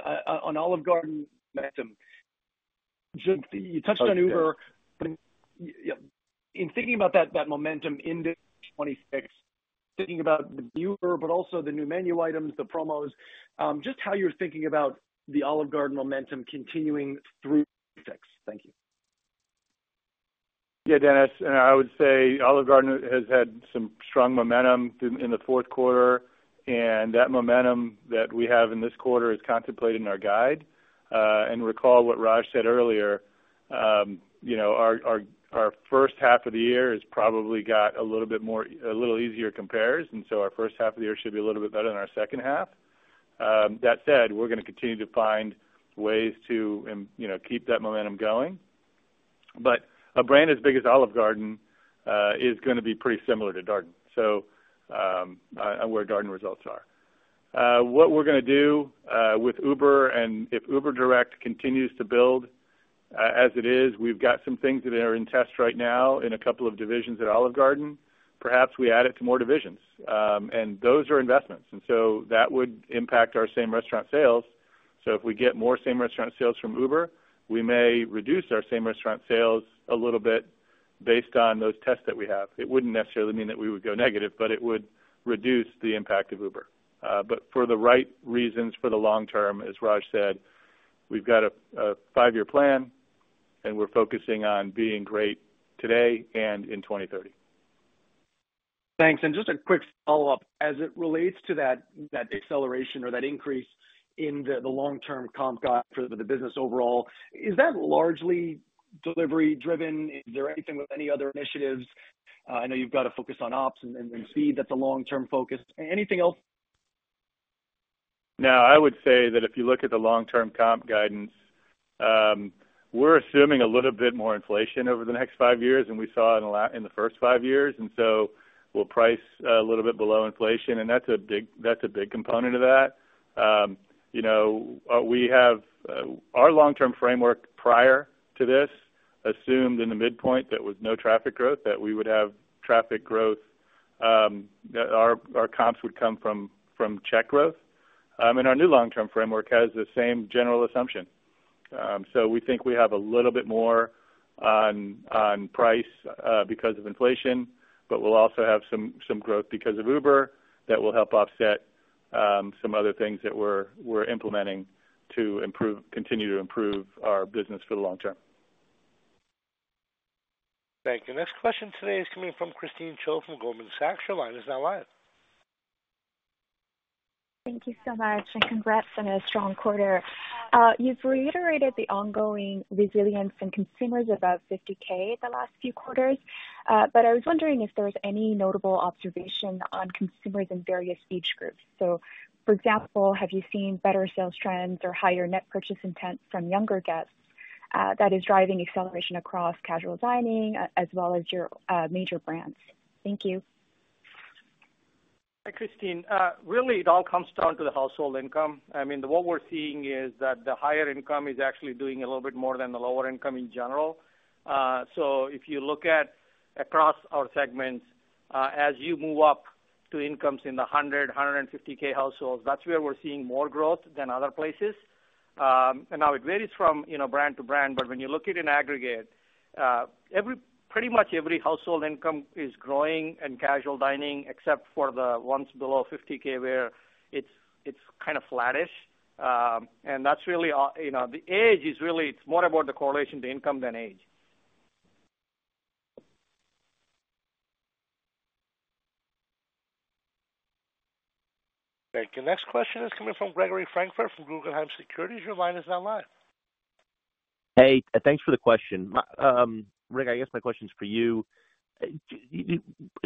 S15: Olive Garden momentum, you touched on Uber. In thinking about that momentum into 2026, thinking about the viewer, but also the new menu items, the promos, just how you're thinking about the Olive Garden momentum continuing through 2026. Thank you.
S3: Yeah, Dennis. I would say Olive Garden has had some strong momentum in the fourth quarter. And that momentum that we have in this quarter is contemplated in our guide. And recall what Raj said earlier. Our first half of the year has probably got a little bit more, a little easier compares. Our first half of the year should be a little bit better than our second half. That said, we're going to continue to find ways to keep that momentum going. A brand as big as Olive Garden is going to be pretty similar to Garden, so where Garden results are. What we're going to do with Uber and if UberDirect continues to build as it is, we've got some things that are in test right now in a couple of divisions at Olive Garden. Perhaps we add it to more divisions. Those are investments. That would impact our same restaurant sales. If we get more same restaurant sales from Uber, we may reduce our same restaurant sales a little bit based on those tests that we have. It would not necessarily mean that we would go negative, but it would reduce the impact of Uber. For the right reasons for the long term, as Raj said, we have got a five-year plan, and we are focusing on being great today and in 2030.
S15: Thanks. Just a quick follow-up. As it relates to that acceleration or that increase in the long-term comp guide for the business overall, is that largely delivery-driven? Is there anything with any other initiatives? I know you have got to focus on ops and speed. That is a long-term focus. Anything else?
S3: No, I would say that if you look at the long-term comp guidance, we're assuming a little bit more inflation over the next five years, and we saw it in the first five years. We'll price a little bit below inflation, and that's a big component of that. We have our long-term framework prior to this assumed in the midpoint that was no traffic growth, that we would have traffic growth, that our comps would come from check growth. Our new long-term framework has the same general assumption. We think we have a little bit more on price because of inflation, but we'll also have some growth because of Uber that will help offset some other things that we're implementing to continue to improve our business for the long term.
S1: Thank you. Next question today is coming from Christine Cho from Goldman Sachs.Y our line is now live.
S16: Thank you so much. And congrats on a strong quarter. You have reiterated the ongoing resilience in consumers above $50,000 the last few quarters, but I was wondering if there was any notable observation on consumers in various age groups. For example, have you seen better sales trends or higher net purchase intent from younger guests that is driving acceleration across casual dining as well as your major brands? Thank you.
S4: Hi, Christine. Really, it all comes down to the household income. I mean, what we are seeing is that the higher income is actually doing a little bit more than the lower income in general. If you look at across our segments, as you move up to incomes in the $100,000-$150,000 households, that is where we are seeing more growth than other places. Now it varies from brand to brand, but when you look at it in aggregate, pretty much every household income is growing in casual dining, except for the ones below $50,000 where it's kind of flattish. That's really the age is really it's more about the correlation to income than age.
S1: Thank you. Next question is coming from Gregory Francfort from Guggenheim Securities. Your line is now live.
S17: Hey, thanks for the question. Rick, I guess my question's for you. I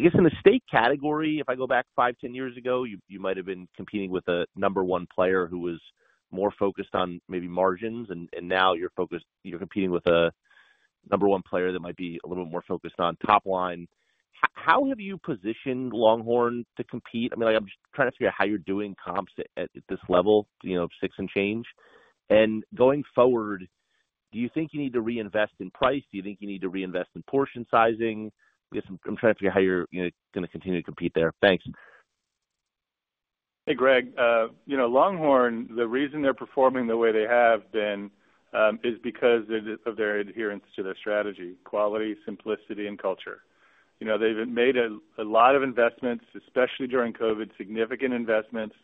S17: guess in the steak category, if I go back five, 10 years ago, you might have been competing with a number one player who was more focused on maybe margins, and now you're competing with a number one player that might be a little bit more focused on top line. How have you positioned LongHorn to compete?I mean, I'm just trying to figure out how you're doing comps at this level of six and change. And going forward, do you think you need to reinvest in price? Do you think you need to reinvest in portion sizing? I'm trying to figure out how you're going to continue to compete there. Thanks.
S3: Hey, Greg. LongHorn, the reason they're performing the way they have been is because of their adherence to their strategy: quality, simplicity, and culture. They've made a lot of investments, especially during COVID, significant investments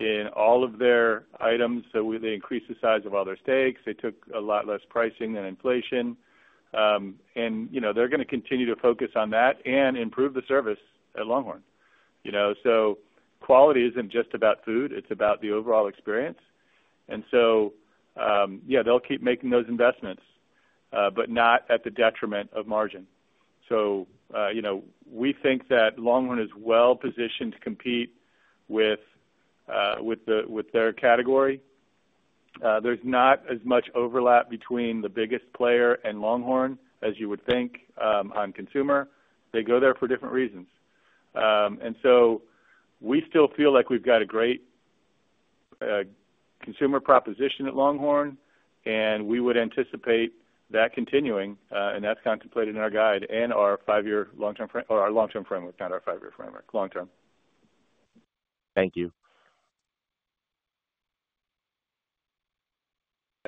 S3: in all of their items. So they increased the size of all their steaks. They took a lot less pricing than inflation. And they're going to continue to focus on that and improve the service at LongHorn. So quality isn't just about food. It's about the overall experience. Yeah, they'll keep making those investments, but not at the detriment of margin. We think that LongHorn is well-positioned to compete with their category. There's not as much overlap between the biggest player and LongHorn as you would think on consumer. They go there for different reasons. We still feel like we've got a great consumer proposition at LongHorn, and we would anticipate that continuing. That's contemplated in our guide and our long-term framework, not our five-year framework, long-term.
S17: Thank you.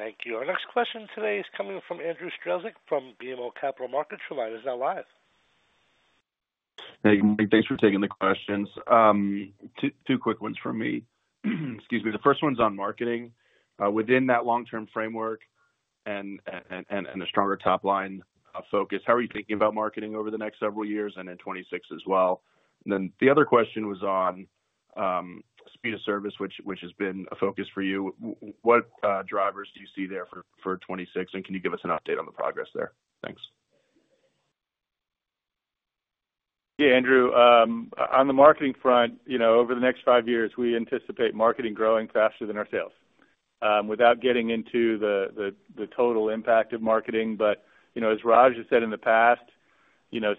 S1: Thank you. Our next question today is coming from Andrew Strelzik from BMO Capital Markets. Your line is now live.
S18: Hey, thanks for taking the questions. Two quick ones from me. Excuse me. The first one's on marketing. Within that long-term framework and a stronger top line focus, how are you thinking about marketing over the next several years and in 2026 as well? The other question was on speed of service, which has been a focus for you. What drivers do you see there for 2026? Can you give us an update on the progress there? Thanks.
S3: Yeah, Andrew. On the marketing front, over the next five years, we anticipate marketing growing faster than our sales. Without getting into the total impact of marketing, but as Raj has said in the past,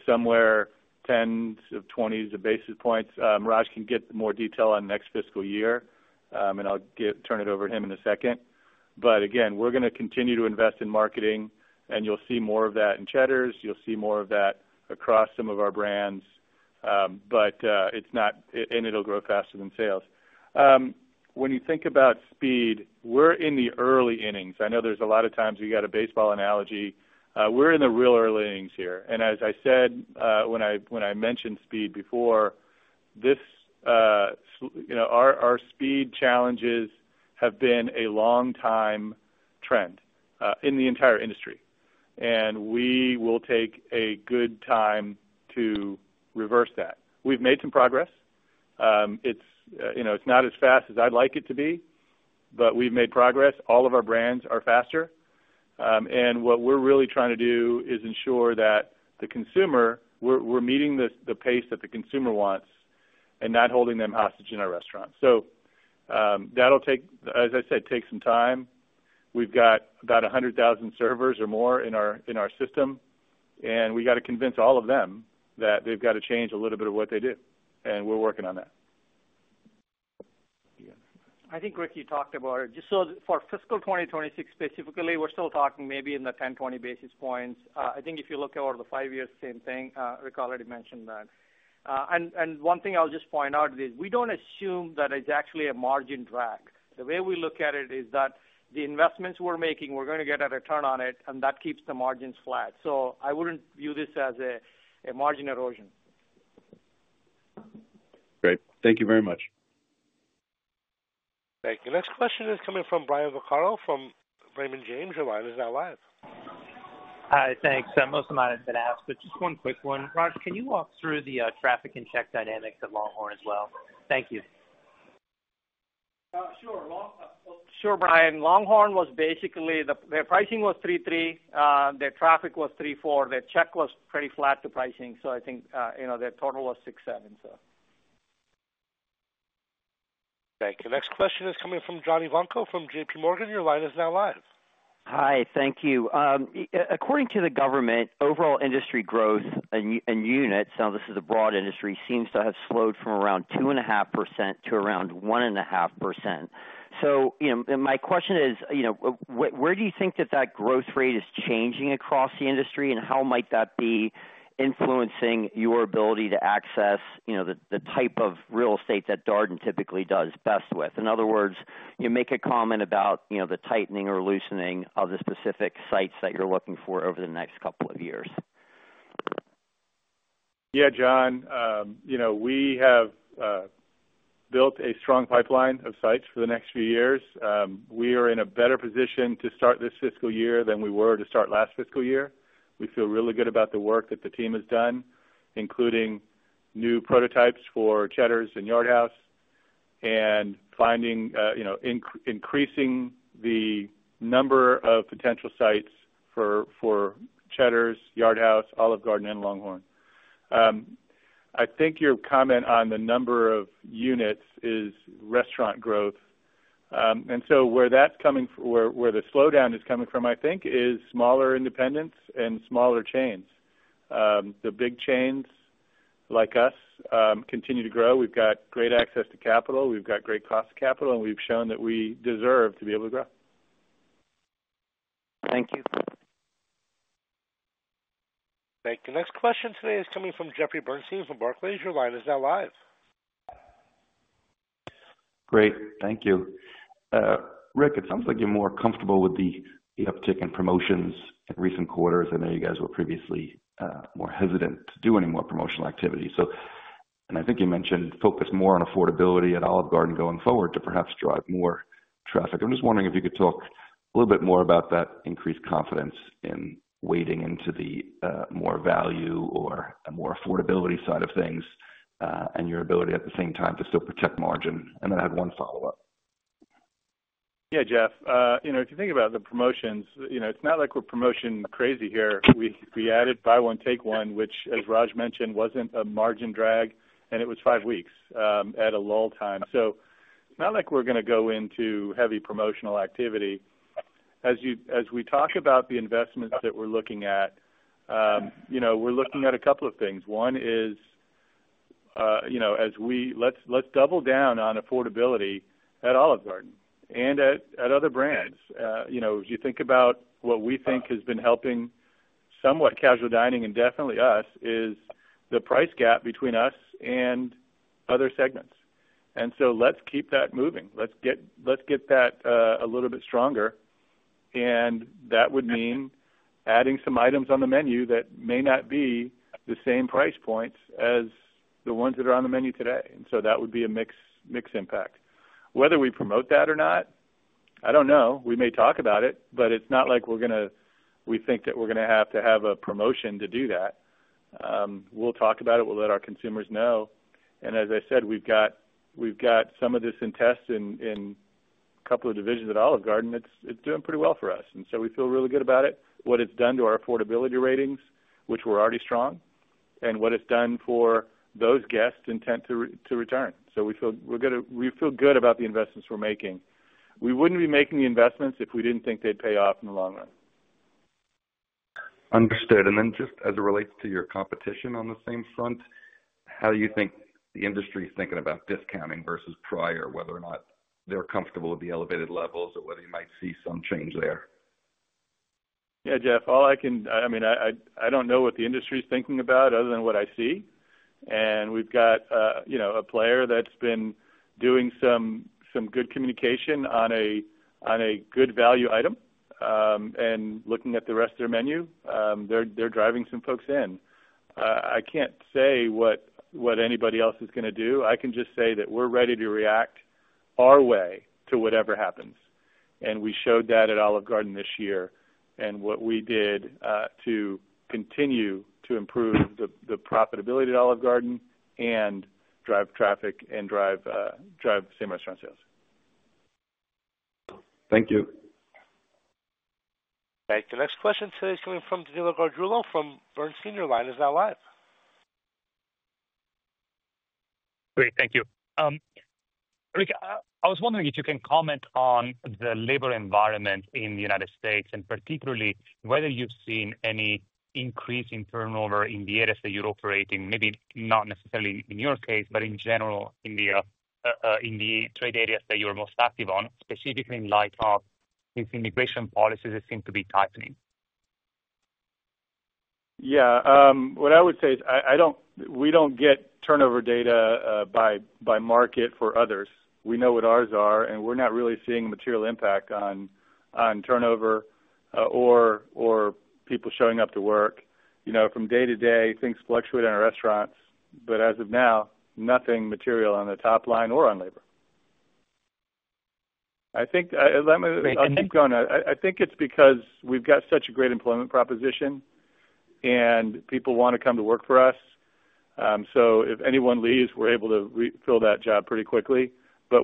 S3: somewhere 10s of 20s of basis points, Raj can get more detail on next fiscal year. I'll turn it over to him in a second. Again, we're going to continue to invest in marketing, and you'll see more of that in Cheddar's. You'll see more of that across some of our brands. It will grow faster than sales. When you think about speed, we're in the early innings. I know there's a lot of times we got a baseball analogy. We're in the real early innings here. As I said, when I mentioned speed before, our speed challenges have been a long-time trend in the entire industry. We will take a good time to reverse that. We've made some progress. It's not as fast as I'd like it to be, but we've made progress. All of our brands are faster. What we're really trying to do is ensure that the consumer, we're meeting the pace that the consumer wants and not holding them hostage in our restaurants. That will take, as I said, take some time. We've got about 100,000 servers or more in our system. We got to convince all of them that they've got to change a little bit of what they do. We're working on that.
S4: I think, Rick, you talked about it. For fiscal 2026 specifically, we're still talking maybe in the 10-20 basis points. I think if you look over the five years, same thing. Rick already mentioned that. One thing I'll just point out is we do not assume that it's actually a margin drag. The way we look at it is that the investments we're making, we're going to get a return on it, and that keeps the margins flat. I would not view this as a margin erosion.
S18: Great. Thank you very much.
S1: Thank you. Next question is coming from Brian Vaccaro from Raymond James. Your line is now live.
S19: Hi, thanks. Most of mine have been asked, but just one quick one. Raj, can you walk through the traffic and check dynamics at LongHorn as well? Thank you.
S4: Sure. Sure, Brian. LongHorn was basically their pricing was 3.3%. Their traffic was 3.4%. Their check was pretty flat to pricing. I think their total was 6.7%.
S1: Thank you. Next question is coming from John Ivankoe from JPMorgan. Your line is now live.
S20: Hi, thank you. According to the government, overall industry growth in units, now this is a broad industry, seems to have slowed from around 2.5% to around 1.5%. My question is, where do you think that that growth rate is changing across the industry, and how might that be influencing your ability to access the type of real estate that Darden typically does best with? In other words, make a comment about the tightening or loosening of the specific sites that you're looking for over the next couple of years.
S3: Yeah, John. We have built a strong pipeline of sites for the next few years. We are in a better position to start this fiscal year than we were to start last fiscal year. We feel really good about the work that the team has done, including new prototypes for Cheddar's and Yard House and increasing the number of potential sites for Cheddar's, Yard House, Olive Garden, and LongHorn. I think your comment on the number of units is restaurant growth. Where that's coming from, where the slowdown is coming from, I think, is smaller independents and smaller chains. The big chains like us continue to grow. We've got great access to capital. We've got great cost of capital, and we've shown that we deserve to be able to grow.
S20: Thank you.
S1: Thank you. Next question today is coming from Jeffrey Bernstein from Barclays. Your line is now live. Great.
S21: Thank you. Rick, it sounds like you're more comfortable with the uptick in promotions in recent quarters. I know you guys were previously more hesitant to do any more promotional activity. I think you mentioned focus more on affordability at Olive Garden going forward to perhaps drive more traffic. I'm just wondering if you could talk a little bit more about that increased confidence in wading into the more value or more affordability side of things and your ability at the same time to still protect margin. I had one follow-up.
S3: Yeah, Jeff. If you think about the promotions, it's not like we're promotion crazy here. We added buy one, take one, which, as Raj mentioned, was not a margin drag, and it was five weeks at a lull time. It is not like we are going to go into heavy promotional activity. As we talk about the investments that we are looking at, we are looking at a couple of things. One is, let us double down on affordability at Olive Garden and at other brands. If you think about what we think has been helping somewhat casual dining and definitely us, is the price gap between us and other segments. Let us keep that moving. Let us get that a little bit stronger. That would mean adding some items on the menu that may not be the same price points as the ones that are on the menu today. That would be a mixed impact. Whether we promote that or not, I do not know. We may talk about it, but it's not like we think that we're going to have to have a promotion to do that. We'll talk about it. We'll let our consumers know. As I said, we've got some of this interest in a couple of divisions at Olive Garden. It's doing pretty well for us. We feel really good about it, what it's done to our affordability ratings, which were already strong, and what it's done for those guests' intent to return. We feel good about the investments we're making. We wouldn't be making the investments if we didn't think they'd pay off in the long run.
S21: Understood.Just as it relates to your competition on the same front, how do you think the industry is thinking about discounting versus prior, whether or not they're comfortable with the elevated levels or whether you might see some change there?
S3: Yeah, Jeff, all I can, I mean, I don't know what the industry is thinking about other than what I see. We've got a player that's been doing some good communication on a good value item. Looking at the rest of their menu, they're driving some folks in. I can't say what anybody else is going to do. I can just say that we're ready to react our way to whatever happens. We showed that at Olive Garden this year. What we did to continue to improve the profitability at Olive Garden and drive traffic and drive same restaurant sales.
S21: Thank you.
S1: Thank you. Next question today is coming from Danilo Gargiulo from Bernstein. Your line is now live.
S22: Great. Thank you. Rick, I was wondering if you can comment on the labor environment in the United States, and particularly whether you've seen any increase in turnover in the areas that you're operating, maybe not necessarily in your case, but in general, in the trade areas that you're most active on, specifically in light of these immigration policies that seem to be tightening.
S3: Yeah. What I would say is we don't get turnover data by market for others. We know what ours are, and we're not really seeing a material impact on turnover or people showing up to work. From day to day, things fluctuate on restaurants, but as of now, nothing material on the top line or on labor. I think let me keep going. I think it's because we've got such a great employment proposition, and people want to come to work for us. If anyone leaves, we're able to fill that job pretty quickly.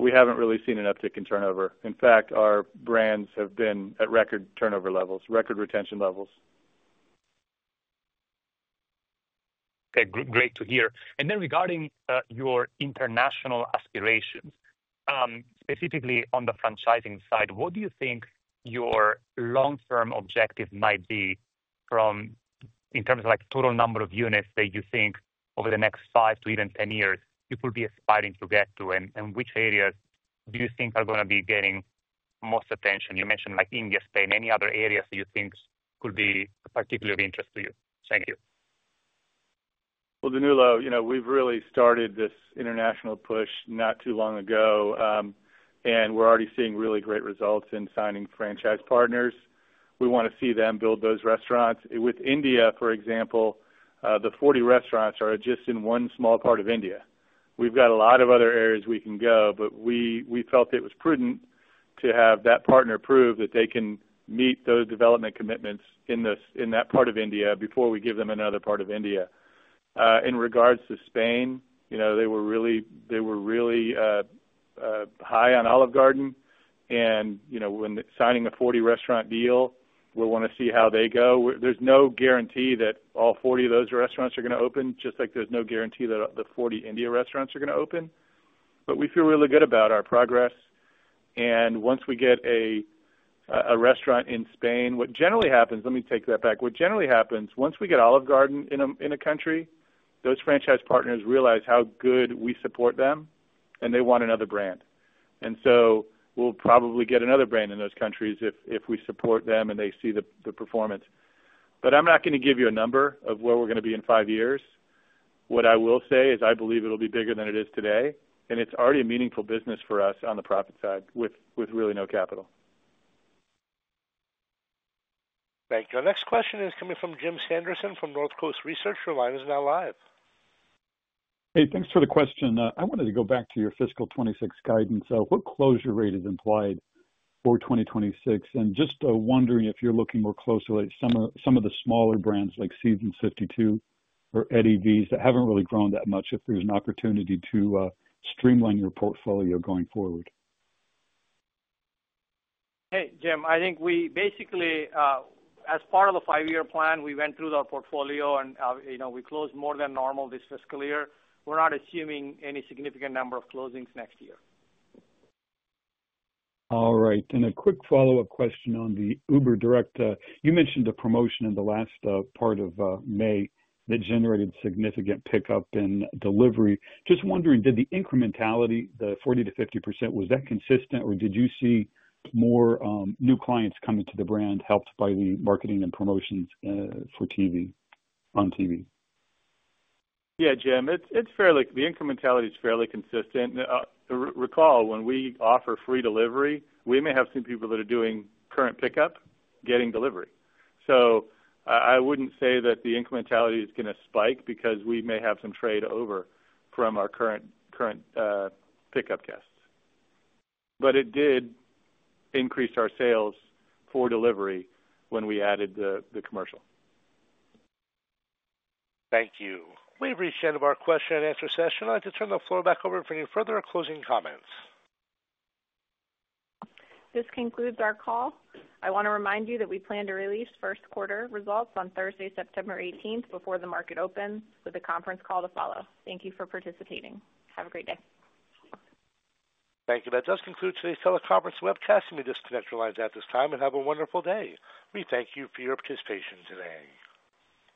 S3: We haven't really seen an uptick in turnover. In fact, our brands have been at record turnover levels, record retention levels.
S22: Okay. Great to hear. Regarding your international aspirations, specifically on the franchising side, what do you think your long-term objective might be in terms of total number of units that you think over the next 5 to even 10 years you could be aspiring to get to, and which areas do you think are going to be getting most attention? You mentioned India, Spain. Any other areas that you think could be particularly of interest to you? Thank you.
S3: Danilo, we've really started this international push not too long ago, and we're already seeing really great results in signing franchise partners. We want to see them build those restaurants. With India, for example, the 40 restaurants are just in one small part of India. We've got a lot of other areas we can go, but we felt it was prudent to have that partner prove that they can meet those development commitments in that part of India before we give them another part of India. In regards to Spain, they were really high on Olive Garden. When signing a 40-restaurant deal, we'll want to see how they go. There's no guarantee that all 40 of those restaurants are going to open, just like there's no guarantee that the 40 India restaurants are going to open. We feel really good about our progress. Once we get a restaurant in Spain, what generally happens—let me take that back—what generally happens once we get Olive Garden in a country, those franchise partners realize how good we support them, and they want another brand. We will probably get another brand in those countries if we support them and they see the performance. I am not going to give you a number of where we are going to be in five years. What I will say is I believe it will be bigger than it is today. It is already a meaningful business for us on the profit side with really no capital.
S1: Thank you. Our next question is coming from Jim Sanderson from North Coast Research. Your line is now live. Hey, thanks for the question. I wanted to go back to your fiscal 2026 guidance. What closure rate is implied for 2026?
S23: Just wondering if you're looking more closely at some of the smaller brands like Seasons 52 or Eddie V's that haven't really grown that much, if there's an opportunity to streamline your portfolio going forward.
S4: Hey, Jim, I think we basically, as part of the five-year plan, we went through our portfolio, and we closed more than normal this fiscal year. We're not assuming any significant number of closings next year.
S23: All right. A quick follow-up question on the Uber direct. You mentioned a promotion in the last part of May that generated significant pickup in delivery. Just wondering, did the incrementality, the 40-50%, was that consistent, or did you see more new clients coming to the brand helped by the marketing and promotions for TV on TV?
S4: Yeah, Jim, the incrementality is fairly consistent. Recall, when we offer free delivery, we may have some people that are doing current pickup, getting delivery. I would not say that the incrementality is going to spike because we may have some trade over from our current pickup guests. It did increase our sales for delivery when we added the commercial.
S23: Thank you.
S1: We appreciate it. Our question and answer session. I would like to turn the floor back over for any further closing comments.
S2: This concludes our call. I want to remind you that we plan to release first quarter results on Thursday, September 18th, before the market opens, with a conference call to follow. Thank you for participating. Have a great day.
S1: Thank you. That does conclude today's teleconference webcast. You may disconnect your lines at this time and have a wonderful day. We thank you for your participation today.